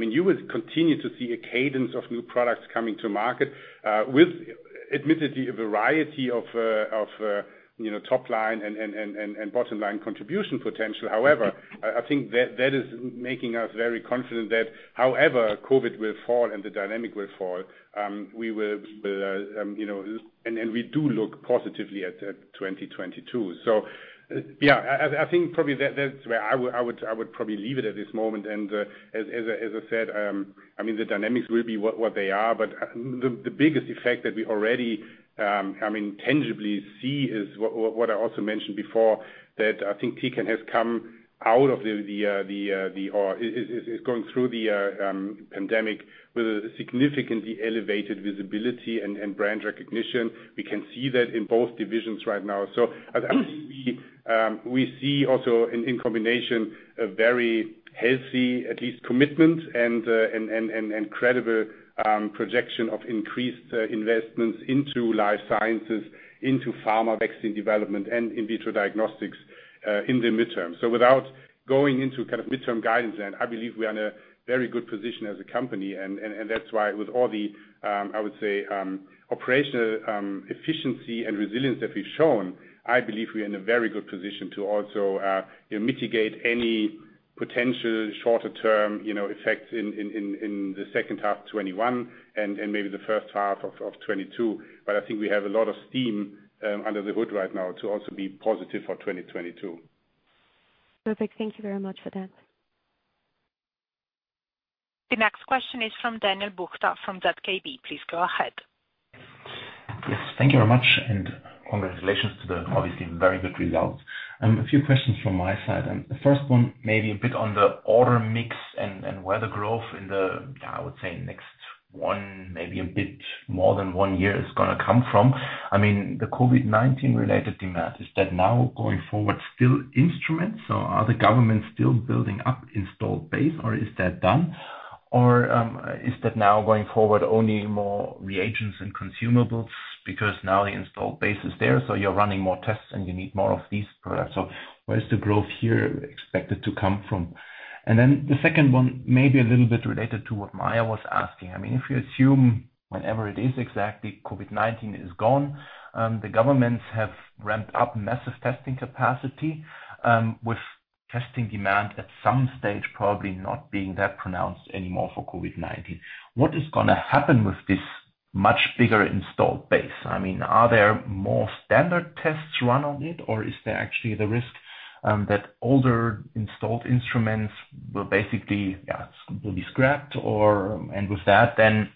you will continue to see a cadence of new products coming to market with admittedly a variety of top line and bottom line contribution potential. However, I think that is making us very confident that however COVID will fall and the dynamic will fall, and we do look positively at 2022. Yeah, I think probably that's where I would probably leave it at this moment. As I said, the dynamics will be what they are, but the biggest effect that we already tangibly see is what I also mentioned before, that I think Tecan has come out of or is going through the pandemic with a significantly elevated visibility and brand recognition. We can see that in both divisions right now. I think we see also in combination, a very healthy, at least commitment and credible projection of increased investments into Life Sciences, into pharma vaccine development, and in vitro diagnostics in the midterm. Without going into kind of midterm guidance then, I believe we are in a very good position as a company, and that's why with all the, I would say, operational efficiency and resilience that we've shown, I believe we are in a very good position to also mitigate any potential shorter-term effects in the second half 2021 and maybe the first half of 2022. I think we have a lot of steam under the hood right now to also be positive for 2022. Perfect. Thank you very much for that. The next question is from Daniel Buchta from ZKB. Please go ahead. Yes, thank you very much. Congratulations to the obviously very good results. A few questions from my side. The first one may be a bit on the order mix and where the growth in the, I would say, next one, maybe a bit more than one year, is going to come from. I mean, the COVID-19 related demand, is that now going forward still instruments, or are the government still building up installed base, or is that done? Is that now going forward only more reagents and consumables because now the installed base is there, so you're running more tests and you need more of these products. Where is the growth here expected to come from? The second one may be a little bit related to what Maja was asking. If you assume whenever it is exactly COVID-19 is gone, the governments have ramped up massive testing capacity, with testing demand at some stage probably not being that pronounced anymore for COVID-19. What is going to happen with this much bigger installed base? I mean, are there more standard tests run on it, or is there actually the risk that older installed instruments will basically be scrapped, and with that then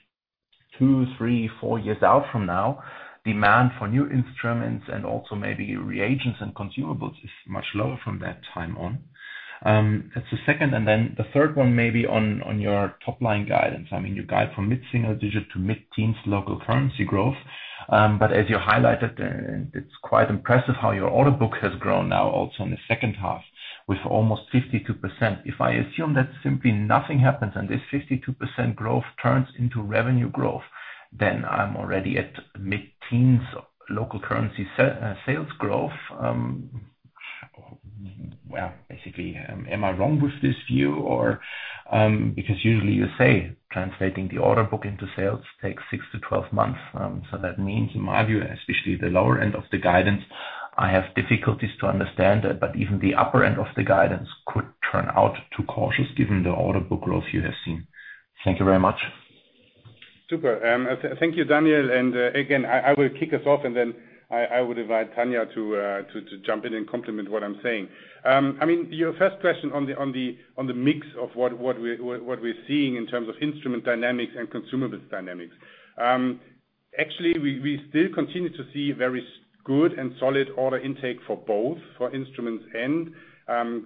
two, three, four years out from now, demand for new instruments and also maybe reagents and consumables is much lower from that time on? That's the second. Then the third one may be on your top-line guidance. I mean, you guide from mid-single digit to mid-teens local currency growth. As you highlighted, it's quite impressive how your order book has grown now also in the second half with almost 52%. If I assume that simply nothing happens and this 52% growth turns into revenue growth, then I'm already at mid-teens local currency sales growth. Well, basically, am I wrong with this view? Because usually you say translating the order book into sales takes 6-12 months. That means, in my view, especially the lower end of the guidance, I have difficulties to understand, but even the upper end of the guidance could turn out too cautious given the order book growth you have seen. Thank you very much. Super. Thank you, Daniel. Again, I will kick us off and then I would invite Tania to jump in and complement what I'm saying. Your first question on the mix of what we're seeing in terms of instrument dynamics and consumables dynamics. Actually, we still continue to see very good and solid order intake for both, for instruments and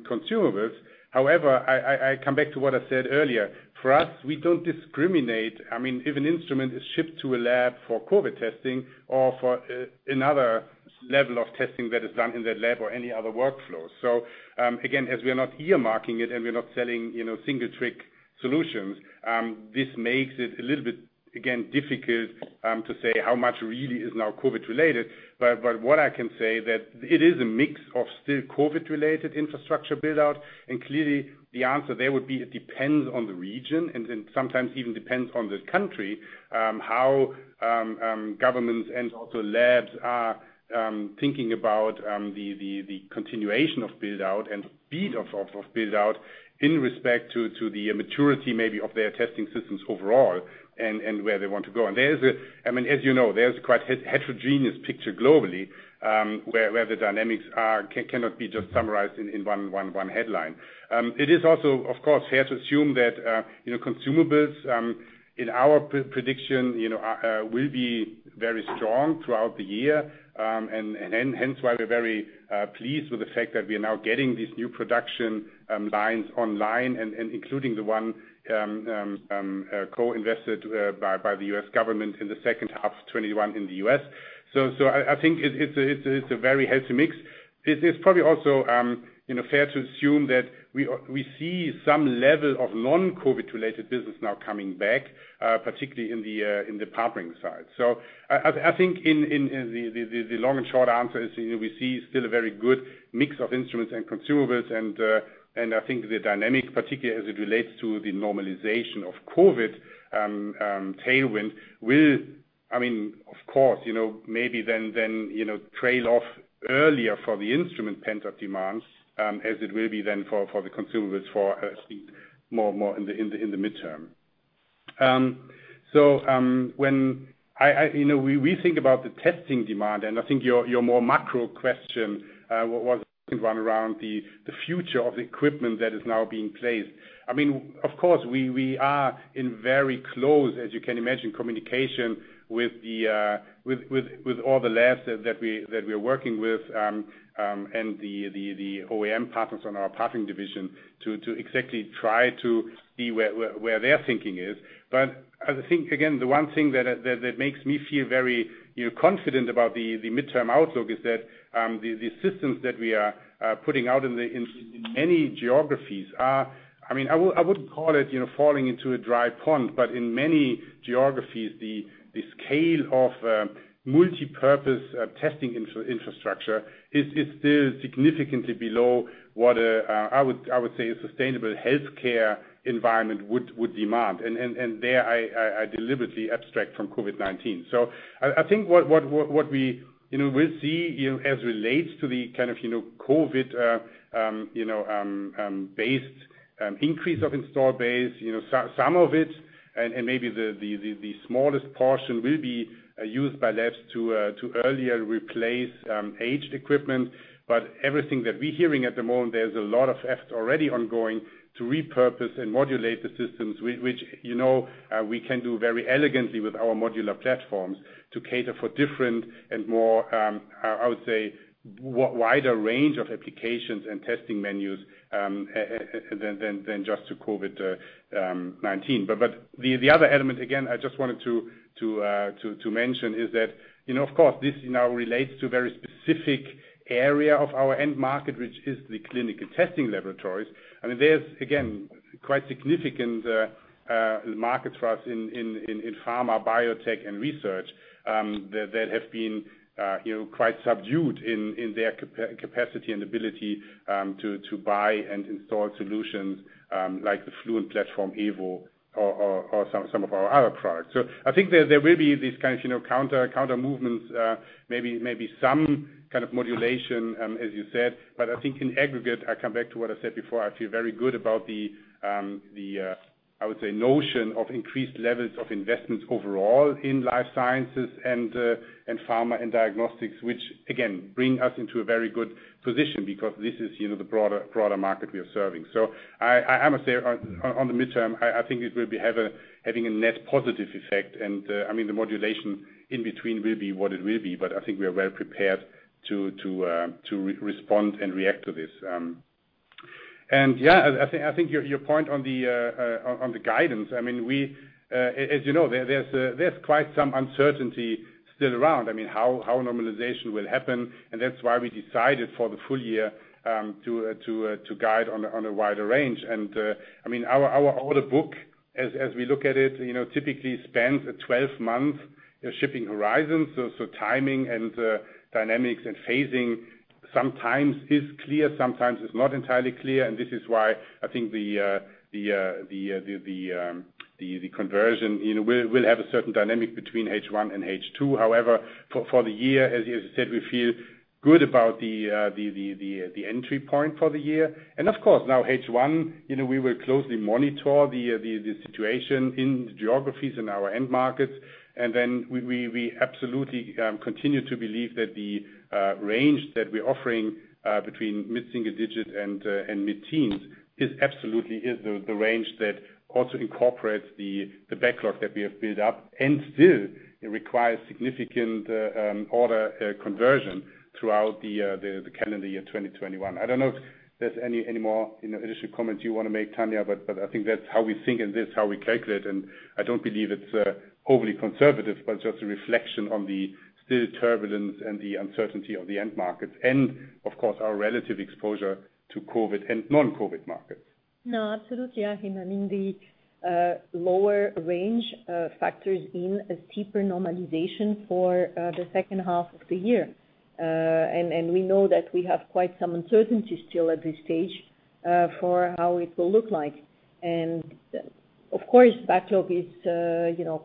consumables. I come back to what I said earlier. For us, we don't discriminate. I mean, if an instrument is shipped to a lab for COVID testing or for another level of testing that is done in that lab or any other workflow. Again, as we are not earmarking it and we're not selling single-trick solutions, this makes it a little bit, again, difficult to say how much really is now COVID-related. What I can say that it is a mix of still COVID-related infrastructure build-out, and clearly the answer there would be it depends on the region and then sometimes even depends on the country how governments and also labs are thinking about the continuation of build-out and speed of build-out in respect to the maturity maybe of their testing systems overall and where they want to go. As you know, there's quite heterogeneous picture globally, where the dynamics cannot be just summarized in one headline. It is also, of course, fair to assume that consumables in our prediction will be very strong throughout the year, and hence why we're very pleased with the fact that we are now getting these new production lines online, and including the one co-invested by the U.S. government in the second half 2021 in the U.S. I think it's a very healthy mix. It's probably also fair to assume that we see some level of non-COVID-related business now coming back, particularly in the Partnering side. I think the long and short answer is we see still a very good mix of instruments and consumables, and I think the dynamic, particularly as it relates to the normalization of COVID tailwind, will, of course, maybe then trail off earlier for the instrument pent-up demands as it will be then for the consumables for, I think, more in the midterm. When we think about the testing demand, and I think your more macro question was one around the future of the equipment that is now being placed. Of course, we are in very close, as you can imagine, communication with all the labs that we're working with, and the OEM partners on our Partnering division to exactly try to see where their thinking is. I think, again, the one thing that makes me feel very confident about the midterm outlook is that the systems that we are putting out in many geographies, I wouldn't call it falling into a dry pond, but in many geographies, the scale of multipurpose testing infrastructure is still significantly below what I would say a sustainable healthcare environment would demand. There, I deliberately abstract from COVID-19. I think what we'll see as relates to the kind of COVID-based increase of install base, some of it and maybe the smallest portion will be used by labs to earlier replace aged equipment. Everything that we're hearing at the moment, there's a lot of effort already ongoing to repurpose and modulate the systems, which we can do very elegantly with our modular platforms to cater for different and more, I would say, wider range of applications and testing menus than just to COVID-19. The other element, again, I just wanted to mention is that, of course, this now relates to a very specific area of our end market, which is the clinical testing laboratories. There's, again, quite significant market for us in pharma, biotech, and research that have been quite subdued in their capacity and ability to buy and install solutions like the Fluent Platform EVO or some of our other products. I think there will be these kind of counter-movements, maybe some kind of modulation as you said. I think in aggregate, I come back to what I said before, I feel very good about the, I would say, notion of increased levels of investments overall in Life Sciences and pharma and diagnostics, which again, bring us into a very good position because this is the broader market we are serving. I must say on the midterm, I think it will be having a net positive effect, and the modulation in between will be what it will be, but I think we are well prepared to respond and react to this. Yeah, I think your point on the guidance, as you know, there's quite some uncertainty still around. How normalization will happen, and that's why we decided for the full year to guide on a wider range. Our order book, as we look at it, typically spans a 12-month shipping horizon. Timing and dynamics and phasing sometimes is clear, sometimes it's not entirely clear, and this is why I think the conversion will have a certain dynamic between H1 and H2. However, for the year, as you said, we feel good about the entry point for the year. Of course now H1, we will closely monitor the situation in the geographies in our end markets. We absolutely continue to believe that the range that we're offering between mid-single digit and mid-teens is absolutely the range that also incorporates the backlog that we have built up and still requires significant order conversion throughout the calendar year 2021. I don't know if there's any more additional comments you want to make, Tania, but I think that's how we think and this how we calculate, and I don't believe it's overly conservative, but just a reflection on the still turbulence and the uncertainty of the end markets and, of course, our relative exposure to COVID and non-COVID markets. No, absolutely, Achim. The lower range factors in a steeper normalization for the second half of the year. We know that we have quite some uncertainty still at this stage for how it will look like. Of course, backlog is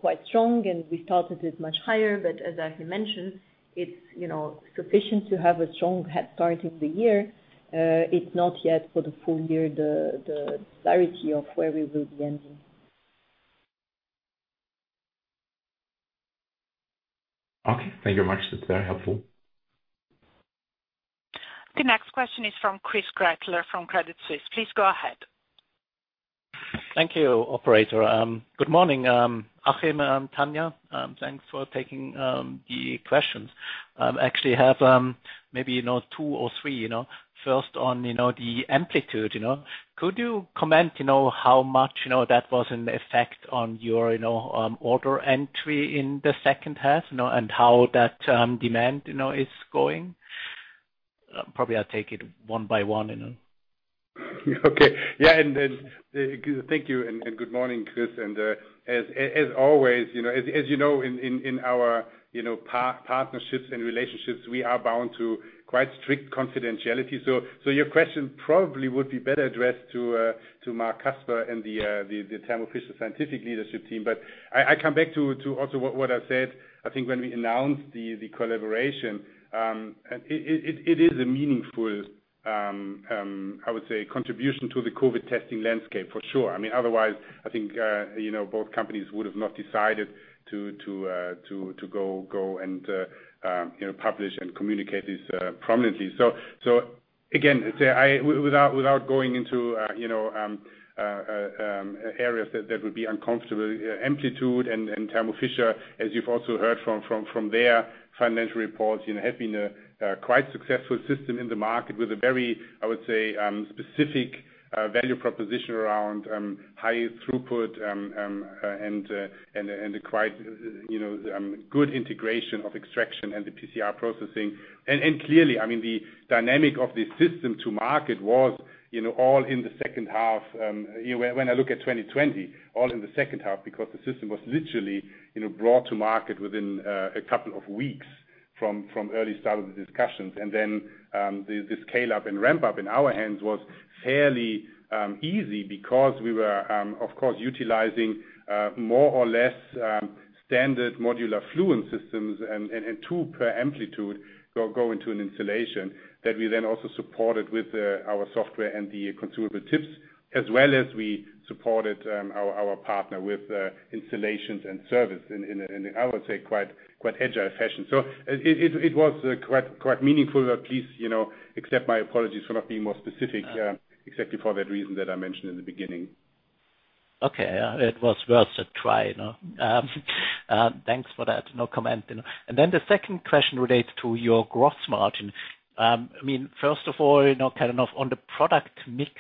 quite strong, and we started it much higher, but as Achim mentioned, it is sufficient to have a strong head start in the year. It is not yet for the full year, the clarity of where we will be ending. Okay. Thank you very much. That's very helpful. The next question is from Chris Gretler from Credit Suisse. Please go ahead. Thank you, operator. Good morning, Achim and Tania. Thanks for taking the questions. Actually have maybe two or three. First on the Amplitude. Could you comment how much that was in effect on your order entry in the second half and how that demand is going? Probably I'll take it one by one. Okay. Yeah. Thank you. Good morning, Chris. As always, as you know, in our partnerships and relationships, we are bound to quite strict confidentiality. Your question probably would be better addressed to Marc Casper and the Thermo Fisher Scientific leadership team. I come back to also what I said, I think when we announced the collaboration. It is a meaningful, I would say, contribution to the COVID testing landscape for sure. Otherwise, I think both companies would have not decided to go and publish and communicate this prominently. Again, without going into areas that would be uncomfortable, Amplitude Solution and Thermo Fisher Scientific, as you've also heard from their financial reports, have been a quite successful system in the market with a very, I would say, specific value proposition around high throughput, and a quite good integration of extraction and the PCR processing. Clearly, the dynamic of this system to market was all in the second half. When I look at 2020, all in the second half, because the system was literally brought to market within a couple of weeks from early start of the discussions. Then the scale-up and ramp-up in our hands was fairly easy because we were, of course, utilizing more or less standard modular Fluent systems and two per Amplitude go into an installation that we then also supported with our software and the consumable tips, as well as we supported our partner with installations and service in, I would say, quite agile fashion. It was quite meaningful. Please accept my apologies for not being more specific exactly for that reason that I mentioned in the beginning. Okay. It was worth a try. Thanks for that comment. The second question relates to your gross margin. First of all, kind of on the product mix.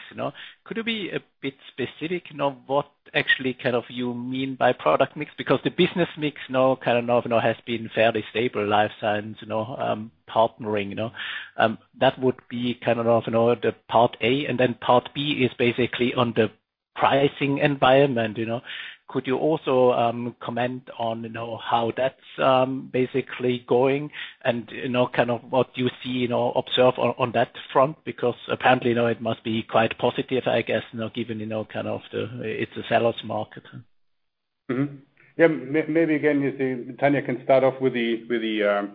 Could you be a bit specific what actually kind of you mean by product mix? The business mix now kind of has been fairly stable, Life Sciences Partnering. That would be kind of the part A. Part B is basically on the pricing environment. Could you also comment on how that's basically going and what you see observe on that front? Apparently, it must be quite positive, I guess, given kind of it's a seller's market. Mm-hmm. Yeah, maybe, again, let's see. Tania can start off with the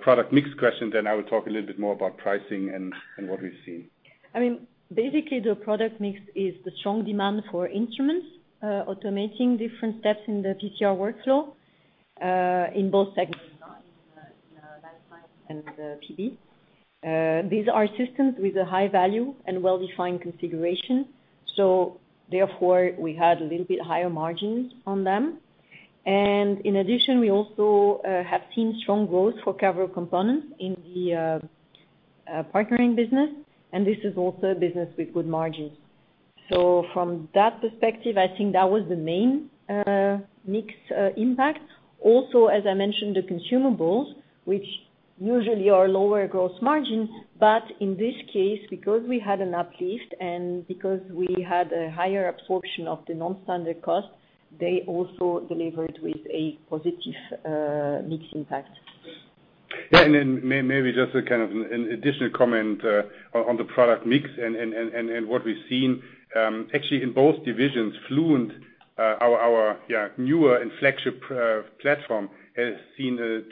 product mix question, then I will talk a little bit more about pricing and what we've seen. Basically, the product mix is the strong demand for instruments, automating different steps in the PCR workflow, in both segments, in the Life Sciences and the PB. These are systems with a high value and well-defined configuration. Therefore, we had a little bit higher margins on them. In addition, we also have seen strong growth for several components in the Partnering business, and this is also a business with good margins. From that perspective, I think that was the main mix impact. Also, as I mentioned, the consumables, which usually are lower gross margin, but in this case, because we had an uplift and because we had a higher absorption of the non-standard costs, they also delivered with a positive mix impact. Yeah, maybe just a kind of an additional comment on the product mix and what we've seen. Actually, in both divisions, Fluent, our newer and flagship platform, has seen a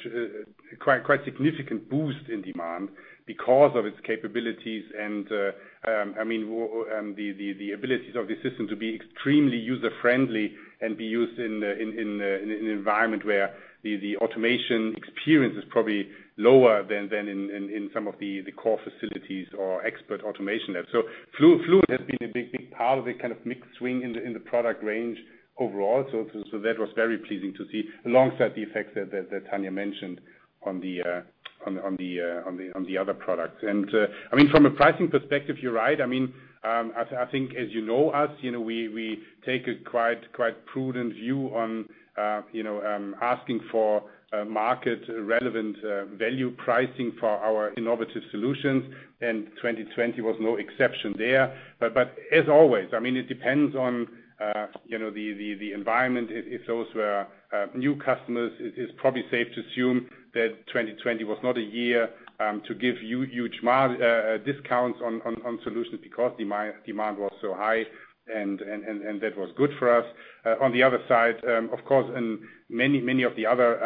quite significant boost in demand because of its capabilities and the abilities of the system to be extremely user-friendly and be used in an environment where the automation experience is probably lower than in some of the core facilities or expert automation labs. Fluent has been a big part of the kind of mix swing in the product range overall. That was very pleasing to see alongside the effects that Tania mentioned on the other products. From a pricing perspective, you're right. I think as you know us, we take a quite prudent view on asking for market-relevant value pricing for our innovative solutions, and 2020 was no exception there. As always, it depends on the environment. If those were new customers, it is probably safe to assume that 2020 was not a year to give huge discounts on solutions because demand was so high, and that was good for us. On the other side, of course, in many of the other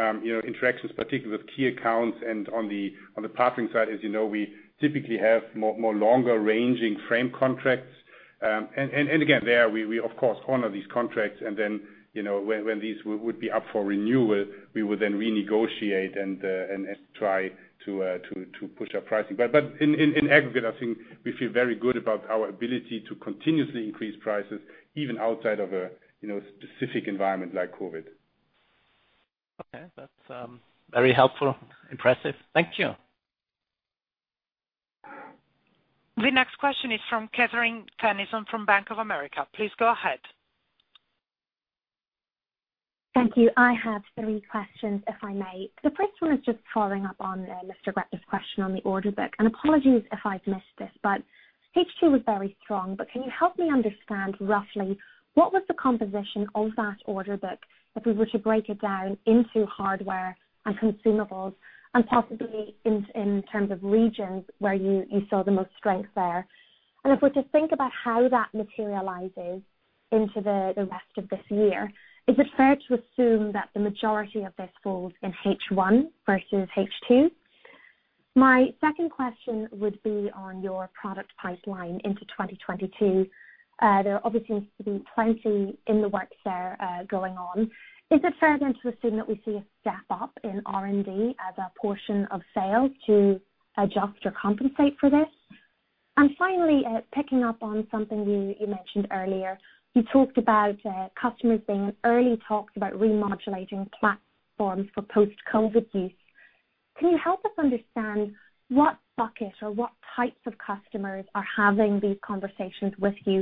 interactions, particularly with key accounts and on the Partnering side, as you know, we typically have more longer-ranging frame contracts. Again, there we of course honor these contracts and then when these would be up for renewal, we would then renegotiate and try to push our pricing. In aggregate, I think we feel very good about our ability to continuously increase prices even outside of a specific environment like COVID. Okay. That's very helpful. Impressive. Thank you. The next question is from Catherine Tennyson from Bank of America. Please go ahead. Thank you. I have three questions, if I may. The first one is just following up on Mr. Gretler's question on the order book, and apologies if I've missed this, but H2 was very strong. Can you help me understand roughly what was the composition of that order book, if we were to break it down into hardware and consumables and possibly in terms of regions where you saw the most strength there? If we're to think about how that materializes into the rest of this year, is it fair to assume that the majority of this falls in H1 versus H2? My second question would be on your product pipeline into 2022. There obviously seems to be plenty in the works there going on. Is it fair to assume that we see a step up in R&D as a portion of sales to adjust or compensate for this? Finally, picking up on something you mentioned earlier, you talked about customers being in early talks about remodulating platforms for post-COVID use. Can you help us understand what bucket or what types of customers are having these conversations with you?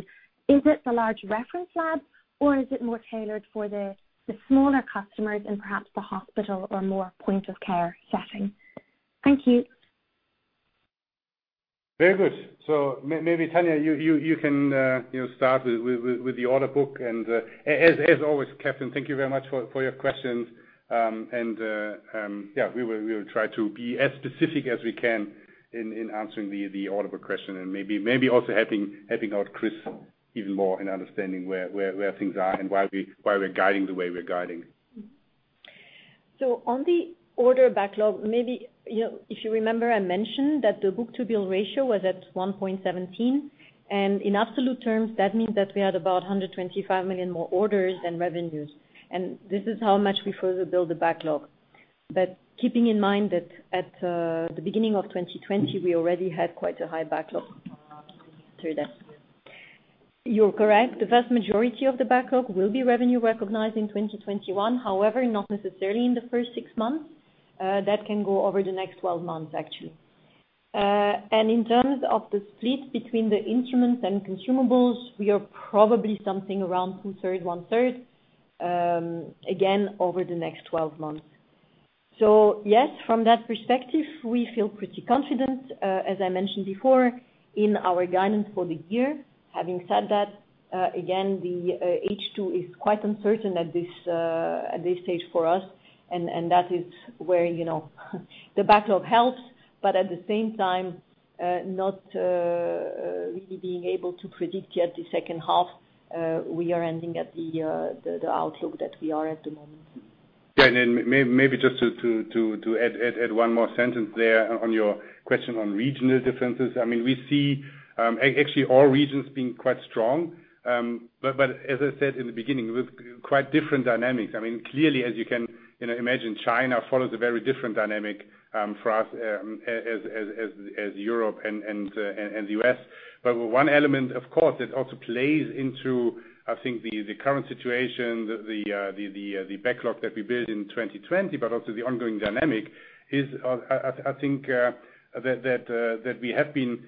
Is it the large reference labs, or is it more tailored for the smaller customers in perhaps the hospital or more point of care setting? Thank you. Very good. Maybe, Tania, you can start with the order book. As always, Catherine, thank you very much for your questions. Yeah, we will try to be as specific as we can in answering the order book question and maybe also helping out Chris even more in understanding where things are and why we're guiding the way we're guiding. On the order backlog, maybe if you remember, I mentioned that the book-to-bill ratio was at 1.17. In absolute terms, that means that we had about 125 million more orders than revenues. This is how much we further build the backlog. Keeping in mind that at the beginning of 2020, we already had quite a high backlog through that. You're correct. The vast majority of the backlog will be revenue recognized in 2021, however, not necessarily in the first six months. That can go over the next 12 months, actually. In terms of the split between the instruments and consumables, we are probably something around 2/3, 1/3 again over the next 12 months. Yes, from that perspective, we feel pretty confident, as I mentioned before, in our guidance for the year. Having said that, again, the H2 is quite uncertain at this stage for us, and that is where the backlog helps, but at the same time, not really being able to predict yet the second half, we are ending at the outlook that we are at the moment. Maybe just to add one more sentence there on your question on regional differences. We see actually all regions being quite strong, but as I said in the beginning, with quite different dynamics. Clearly, as you can imagine, China follows a very different dynamic for us as Europe and the U.S. One element, of course, that also plays into the current situation, the backlog that we built in 2020, but also the ongoing dynamic is that we have been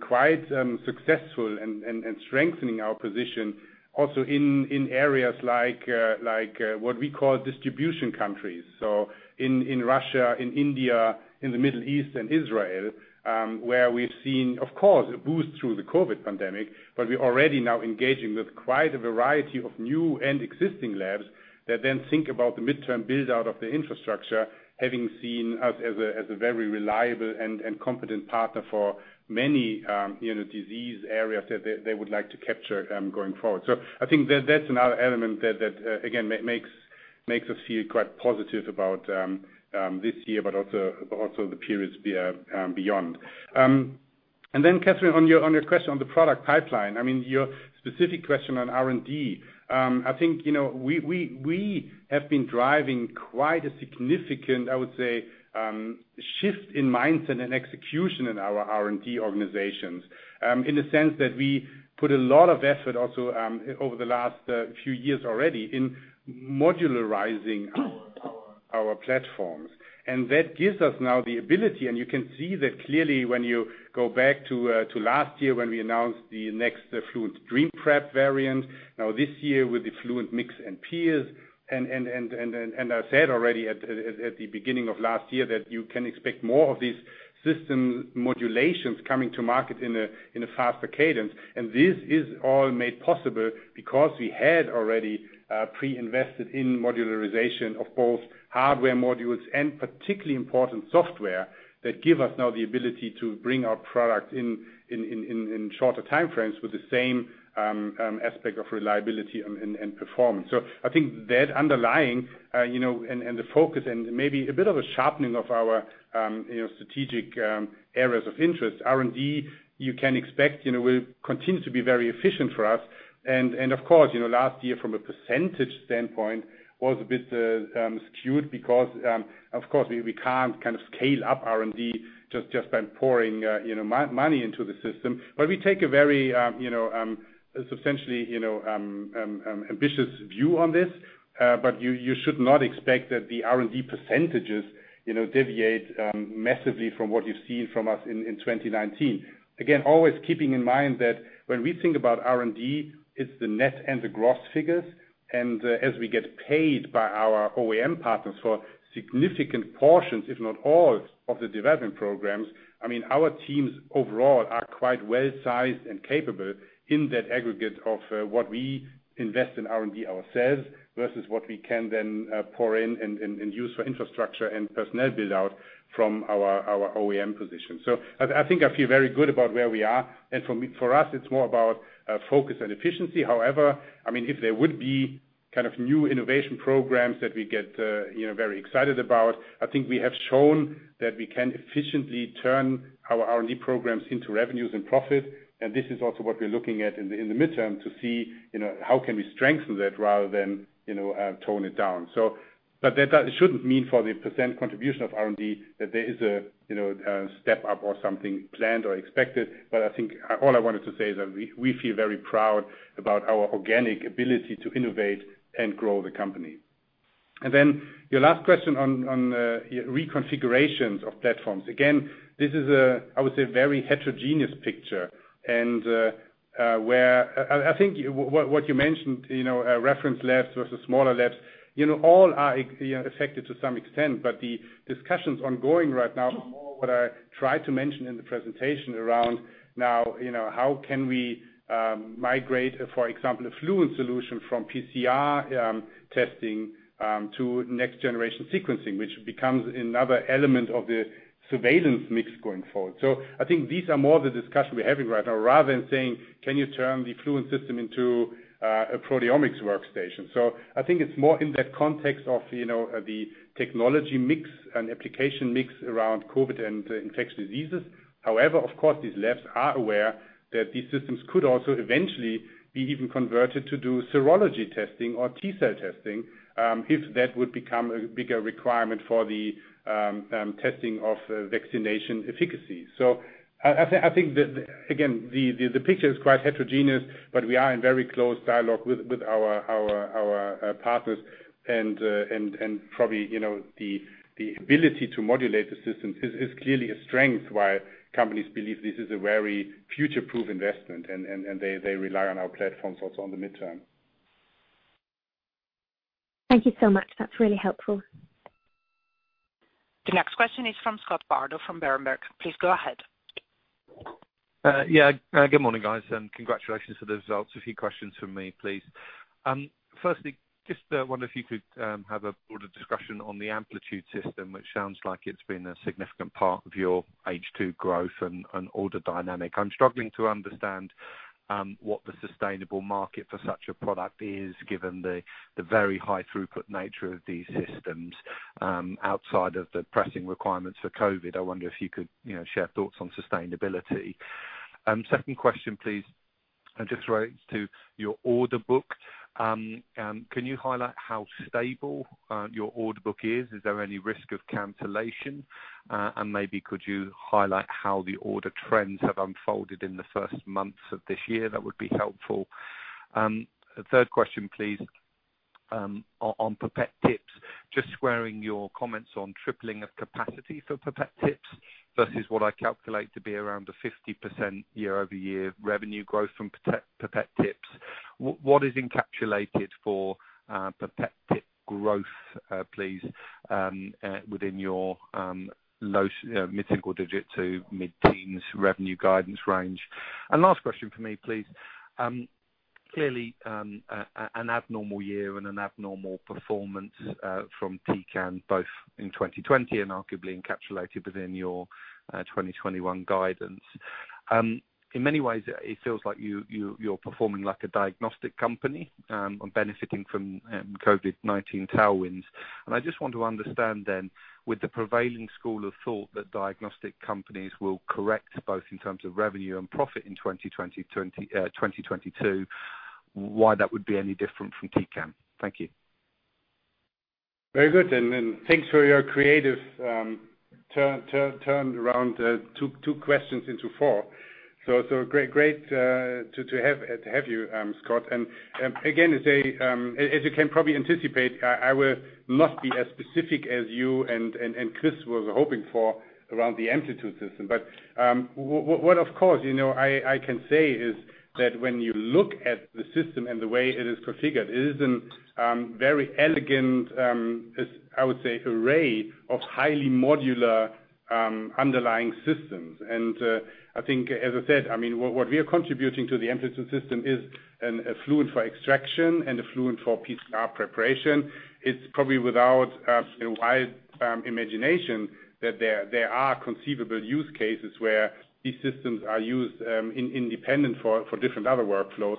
quite successful in strengthening our position also in areas like what we call distribution countries. In Russia, in India, in the Middle East, and Israel, where we've seen, of course, a boost through the COVID pandemic, but we're already now engaging with quite a variety of new and existing labs that then think about the midterm build-out of the infrastructure, having seen us as a very reliable and competent partner for many disease areas that they would like to capture going forward. I think that's another element that, again, makes us feel quite positive about this year, but also the periods beyond. Then Catherine, on your question on the product pipeline, your specific question on R&D. I think we have been driving quite a significant, I would say, shift in mindset and execution in our R&D organizations, in the sense that we put a lot of effort also over the last few years already in modularizing our platforms. That gives us now the ability, and you can see that clearly when you go back to last year when we announced the next Fluent DreamPrep variant, now this year with the Fluent Mix and Pierce. I said already at the beginning of last year that you can expect more of these system modulations coming to market in a faster cadence. This is all made possible because we had already pre-invested in modularization of both hardware modules and particularly important software that give us now the ability to bring our product in shorter time frames with the same aspect of reliability and performance. I think that underlying and the focus and maybe a bit of a sharpening of our strategic areas of interest, R&D, you can expect, will continue to be very efficient for us. Of course, last year, from a percentage standpoint, was a bit skewed because, of course, we can't kind of scale up R&D just by pouring money into the system. We take a very substantially ambitious view on this. You should not expect that the R&D percentages deviate massively from what you've seen from us in 2019. Again, always keeping in mind that when we think about R&D, it's the net and the gross figures. As we get paid by our OEM partners for significant portions, if not all of the development programs, our teams overall are quite well-sized and capable in that aggregate of what we invest in R&D ourselves versus what we can then pour in and use for infrastructure and personnel build-out from our OEM position. I think I feel very good about where we are. For us, it's more about focus and efficiency. However, if there would be kind of new innovation programs that we get very excited about, I think we have shown that we can efficiently turn our R&D programs into revenues and profit. This is also what we're looking at in the midterm to see, how can we strengthen that rather than tone it down. That shouldn't mean for the percent contribution of R&D that there is a step up or something planned or expected. I think all I wanted to say is that we feel very proud about our organic ability to innovate and grow the company. Your last question on the reconfigurations of platforms. Again, this is, I would say, a very heterogeneous picture and where I think what you mentioned, reference labs versus smaller labs, all are affected to some extent. The discussions ongoing right now are more what I try to mention in the presentation around now, how can we migrate, for example, a Fluent solution from PCR testing to next-generation sequencing, which becomes another element of the surveillance mix going forward. I think these are more of the discussion we're having right now, rather than saying, can you turn the Fluent system into a proteomics workstation? I think it's more in that context of the technology mix and application mix around COVID and infectious diseases. Of course, these labs are aware that these systems could also eventually be even converted to do serology testing or T-cell testing, if that would become a bigger requirement for the testing of vaccination efficacy. I think that, again, the picture is quite heterogeneous, but we are in very close dialogue with our partners. Probably, the ability to modulate the system is clearly a strength why companies believe this is a very future-proof investment, and they rely on our platforms also in the midterm. Thank you so much. That is really helpful. The next question is from Scott Bardo from Berenberg. Please go ahead. Good morning, guys, and congratulations on the results. A few questions from me, please. Firstly, just wonder if you could have a broader discussion on the Amplitude Solution, which sounds like it's been a significant part of your H2 growth and order dynamic. I'm struggling to understand what the sustainable market for such a product is, given the very high throughput nature of these systems outside of the pressing requirements for COVID. I wonder if you could share thoughts on sustainability. Second question, please, just relates to your order book. Can you highlight how stable your order book is? Is there any risk of cancellation? Maybe could you highlight how the order trends have unfolded in the first months of this year? That would be helpful. Third question, please, on pipette tips. Just squaring your comments on tripling of capacity for pipette tips versus what I calculate to be around a 50% year-over-year revenue growth from pipette tips. What is encapsulated for pipette tip growth, please, within your low mid-single digit to mid-teens revenue guidance range? Last question from me, please. Clearly, an abnormal year and an abnormal performance from Tecan, both in 2020 and arguably encapsulated within your 2021 guidance. In many ways, it feels like you're performing like a diagnostic company and benefiting from COVID-19 tailwinds. I just want to understand then, with the prevailing school of thought that diagnostic companies will correct both in terms of revenue and profit in 2022, why that would be any different from Tecan. Thank you. Very good, thanks for your creative turn around two questions into four. Great to have you, Scott. Again, as you can probably anticipate, I will not be as specific as you and Chris were hoping for around the Amplitude Solution. What, of course, I can say is that when you look at the system and the way it is configured, it is a very elegant, I would say, array of highly modular underlying systems. I think, as I said, what we are contributing to the Amplitude Solution is a Fluent for extraction and a Fluent for PCR preparation. It's probably without a wild imagination that there are conceivable use cases where these systems are used independent for different other workflows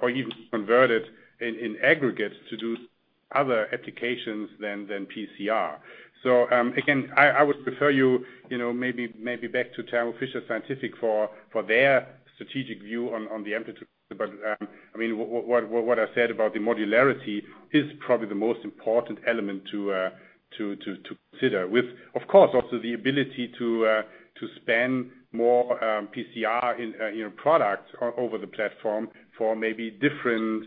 or even converted in aggregate to do other applications than PCR. Again, I would refer you maybe back to Thermo Fisher Scientific for their strategic view on the Amplitude. What I said about the modularity is probably the most important element to consider with, of course, also the ability to spend more PCR in products over the platform for maybe different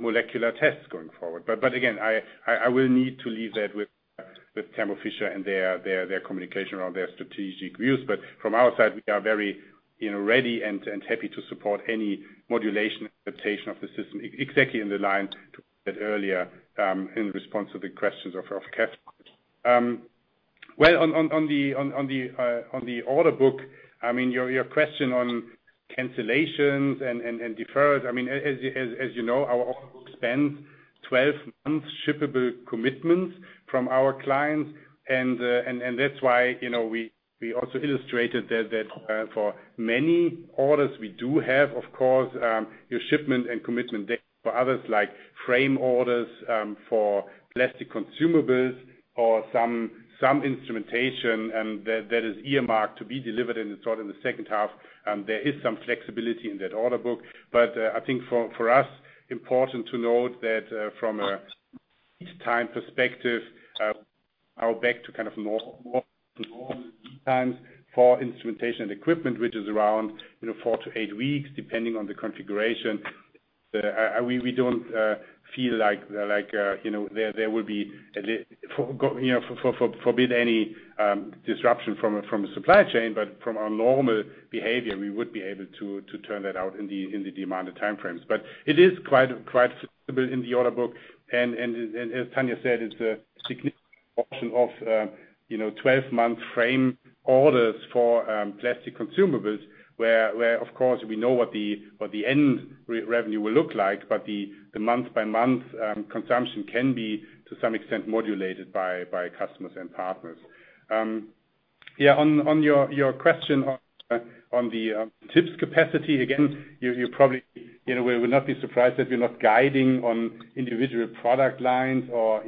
molecular tests going forward. Again, I will need to leave that with Thermo Fisher and their communication around their strategic views. From our side, we are very ready and happy to support any modulation adaptation of the system, exactly in the line to what I said earlier in response to the questions of Cath. Well, on the order book, your question on cancellations and deferrals, as you know, our order book spans 12 months shippable commitments from our clients. That's why we also illustrated that for many orders, we do have, of course, your shipment and commitment date. For others, like frame orders for plastic consumables or some instrumentation, and that is earmarked to be delivered in the second half, there is some flexibility in that order book. I think for us, important to note that from a lead time perspective, are back to kind of normal lead times for instrumentation and equipment, which is around four to eight weeks, depending on the configuration. We don't feel like there will be, forbid any disruption from a supply chain, but from our normal behavior, we would be able to turn that out in the demanded time frames. It is quite flexible in the order book, and as Tania said, it's a significant portion of 12-month frame orders for plastic consumables, where, of course, we know what the end revenue will look like. The month-by-month consumption can be, to some extent, modulated by customers and partners. Yeah, on your question on the tips capacity, again, you probably will not be surprised that we're not guiding on individual product lines or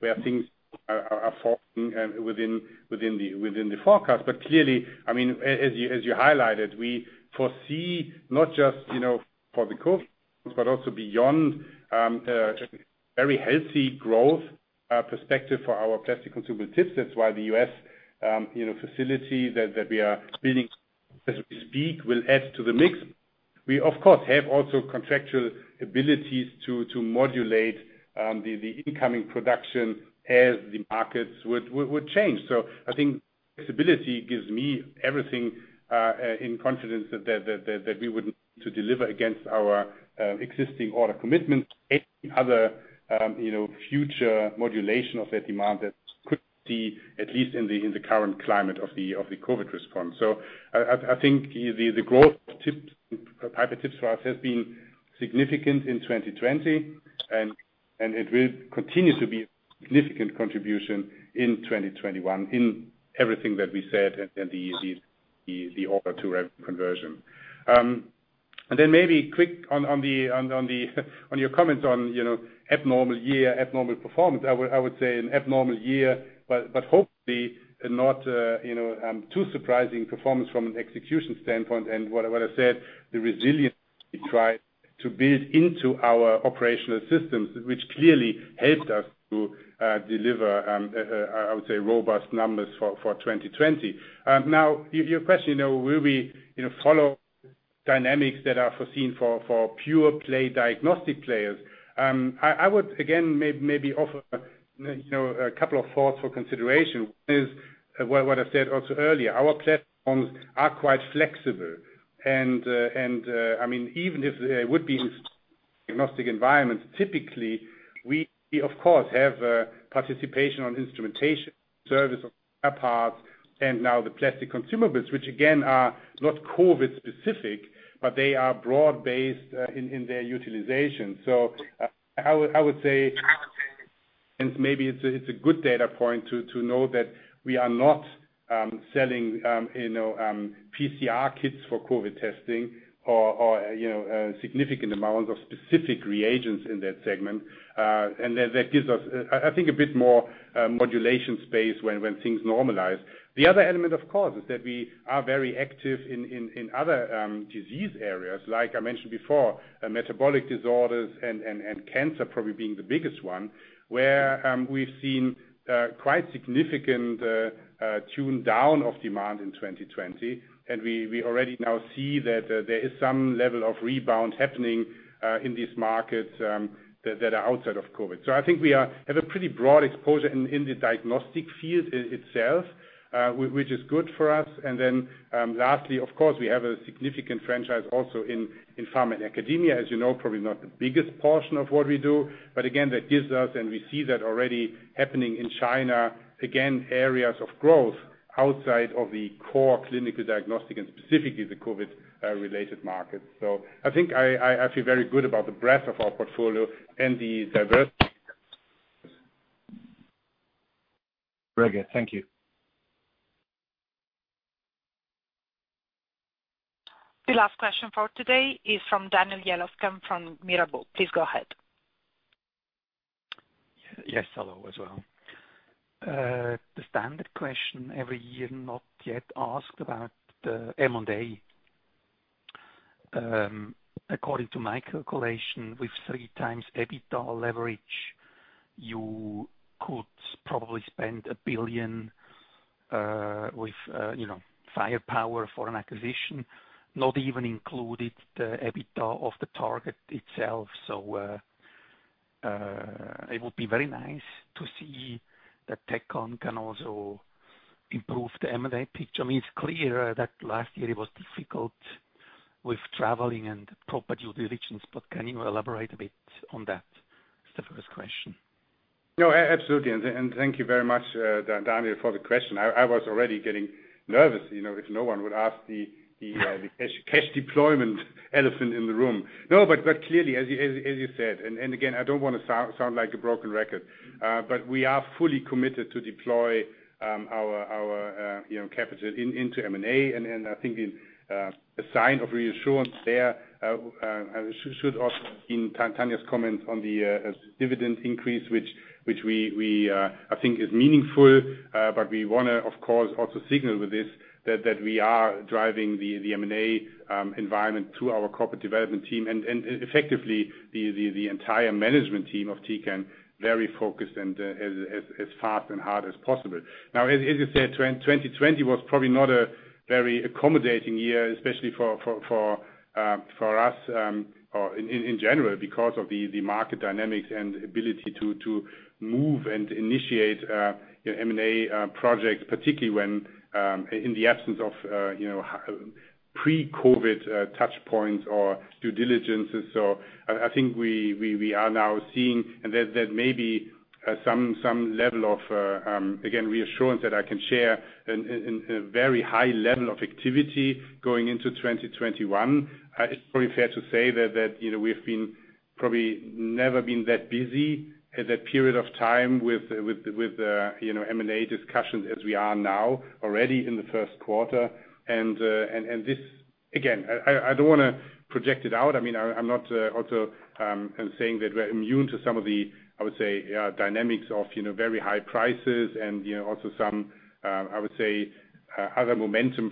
where things are falling within the forecast. Clearly, as you highlighted, we foresee not just for the COVID, but also beyond, a very healthy growth perspective for our plastic consumable tips. That's why the U.S. facility that we are building, as we speak, will add to the mix. We, of course, have also contractual abilities to modulate the incoming production as the markets would change. I think flexibility gives me everything in confidence that we would to deliver against our existing order commitments, any other future modulation of that demand that could be, at least in the current climate of the COVID response. I think the growth of pipette tips for us has been significant in 2020, and it will continue to be a significant contribution in 2021 in everything that we said and the order-to-revenue conversion. Then maybe quick on your comments on abnormal year, abnormal performance. I would say an abnormal year, but hopefully not too surprising performance from an execution standpoint. What I said, the resilience we try to build into our operational systems, which clearly helped us to deliver, I would say, robust numbers for 2020. Your question, will we follow dynamics that are foreseen for pure play diagnostic players? I would, again, maybe offer a couple of thoughts for consideration. One is what I said also earlier, our platforms are quite flexible. Even if there would be diagnostic environments, typically, we, of course, have participation on instrumentation, service of spare parts, and now the plastic consumables, which again, are not COVID-specific, but they are broad-based in their utilization. I would say, maybe it's a good data point to know that we are not selling PCR kits for COVID testing or significant amounts of specific reagents in that segment. That gives us, I think, a bit more modulation space when things normalize. The other element, of course, is that we are very active in other disease areas, like I mentioned before, metabolic disorders and cancer probably being the biggest one, where we've seen quite significant tune-down of demand in 2020. We already now see that there is some level of rebound happening in these markets that are outside of COVID. I think we have a pretty broad exposure in the diagnostic field itself, which is good for us. Lastly, of course, we have a significant franchise also in pharma and academia. As you know, probably not the biggest portion of what we do. Again, that gives us, and we see that already happening in China, again, areas of growth outside of the core clinical diagnostic and specifically the COVID-related markets. I think I feel very good about the breadth of our portfolio and the diversity. Very good. Thank you. The last question for today is from Daniel Jelovcan from Mirabaud. Please go ahead. Yes, hello as well. The standard question every year not yet asked about the M&A. According to my calculation, with 3x EBITDA leverage, you could probably spend 1 billion with firepower for an acquisition, not even included the EBITDA of the target itself. It would be very nice to see that Tecan can also improve the M&A picture. It's clear that last year it was difficult with traveling and proper due diligence, can you elaborate a bit on that? It's the first question. No, absolutely. Thank you very much, Daniel, for the question. I was already getting nervous, if no one would ask the cash deployment elephant in the room. No, clearly, as you said, again, I don't want to sound like a broken record, we are fully committed to deploy our capital into M&A. I think a sign of reassurance there should also in Tania's comment on the dividend increase, which we, I think is meaningful. We want to, of course, also signal with this that we are driving the M&A environment through our corporate development team and effectively the entire management team of Tecan, very focused and as fast and hard as possible. As you said, 2020 was probably not a very accommodating year, especially for us or in general, because of the market dynamics and ability to move and initiate M&A projects, particularly when in the absence of pre-COVID touchpoints or due diligences. I think we are now seeing, and that may be some level of, again, reassurance that I can share in a very high level of activity going into 2021. It's probably fair to say that we've probably never been that busy at that period of time with M&A discussions as we are now already in the first quarter. This, again, I don't want to project it out. I'm not also saying that we're immune to some of the, I would say, dynamics of very high prices and also some, I would say, other momentum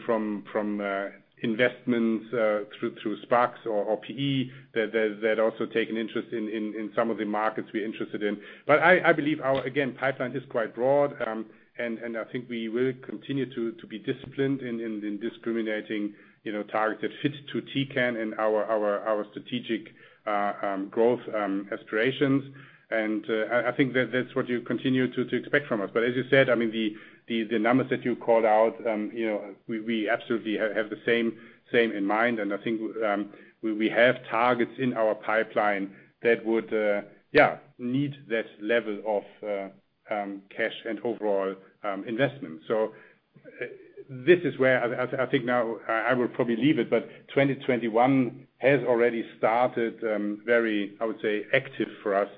from investments through SPACs or PE that also take an interest in some of the markets we're interested in. I believe our, again, pipeline is quite broad. I think we will continue to be disciplined in discriminating targets that fit to Tecan and our strategic growth aspirations. I think that's what you continue to expect from us. As you said, the numbers that you called out, we absolutely have the same in mind. I think we have targets in our pipeline that would need that level of cash and overall investment. This is where I think now I will probably leave it, but 2021 has already started very, I would say, active for us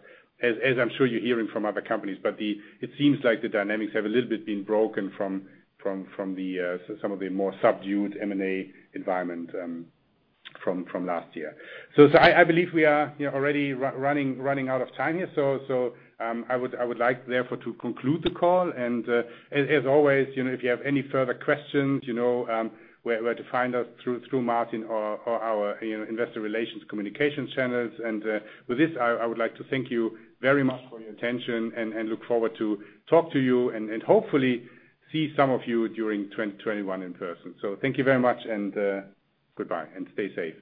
as I'm sure you're hearing from other companies, but it seems like the dynamics have a little bit been broken from some of the more subdued M&A environment from last year. I believe we are already running out of time here. I would like therefore to conclude the call and as always, if you have any further questions, where to find us through Martin or our investor relations communication channels. With this, I would like to thank you very much for your attention and look forward to talk to you and hopefully see some of you during 2021 in person. Thank you very much and goodbye and stay safe.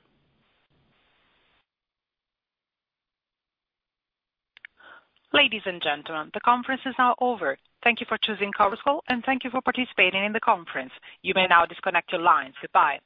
Ladies and gentlemen, the conference is now over. Thank you for choosing conference call and thank you for participating in the conference. You may now disconnect your lines. Goodbye.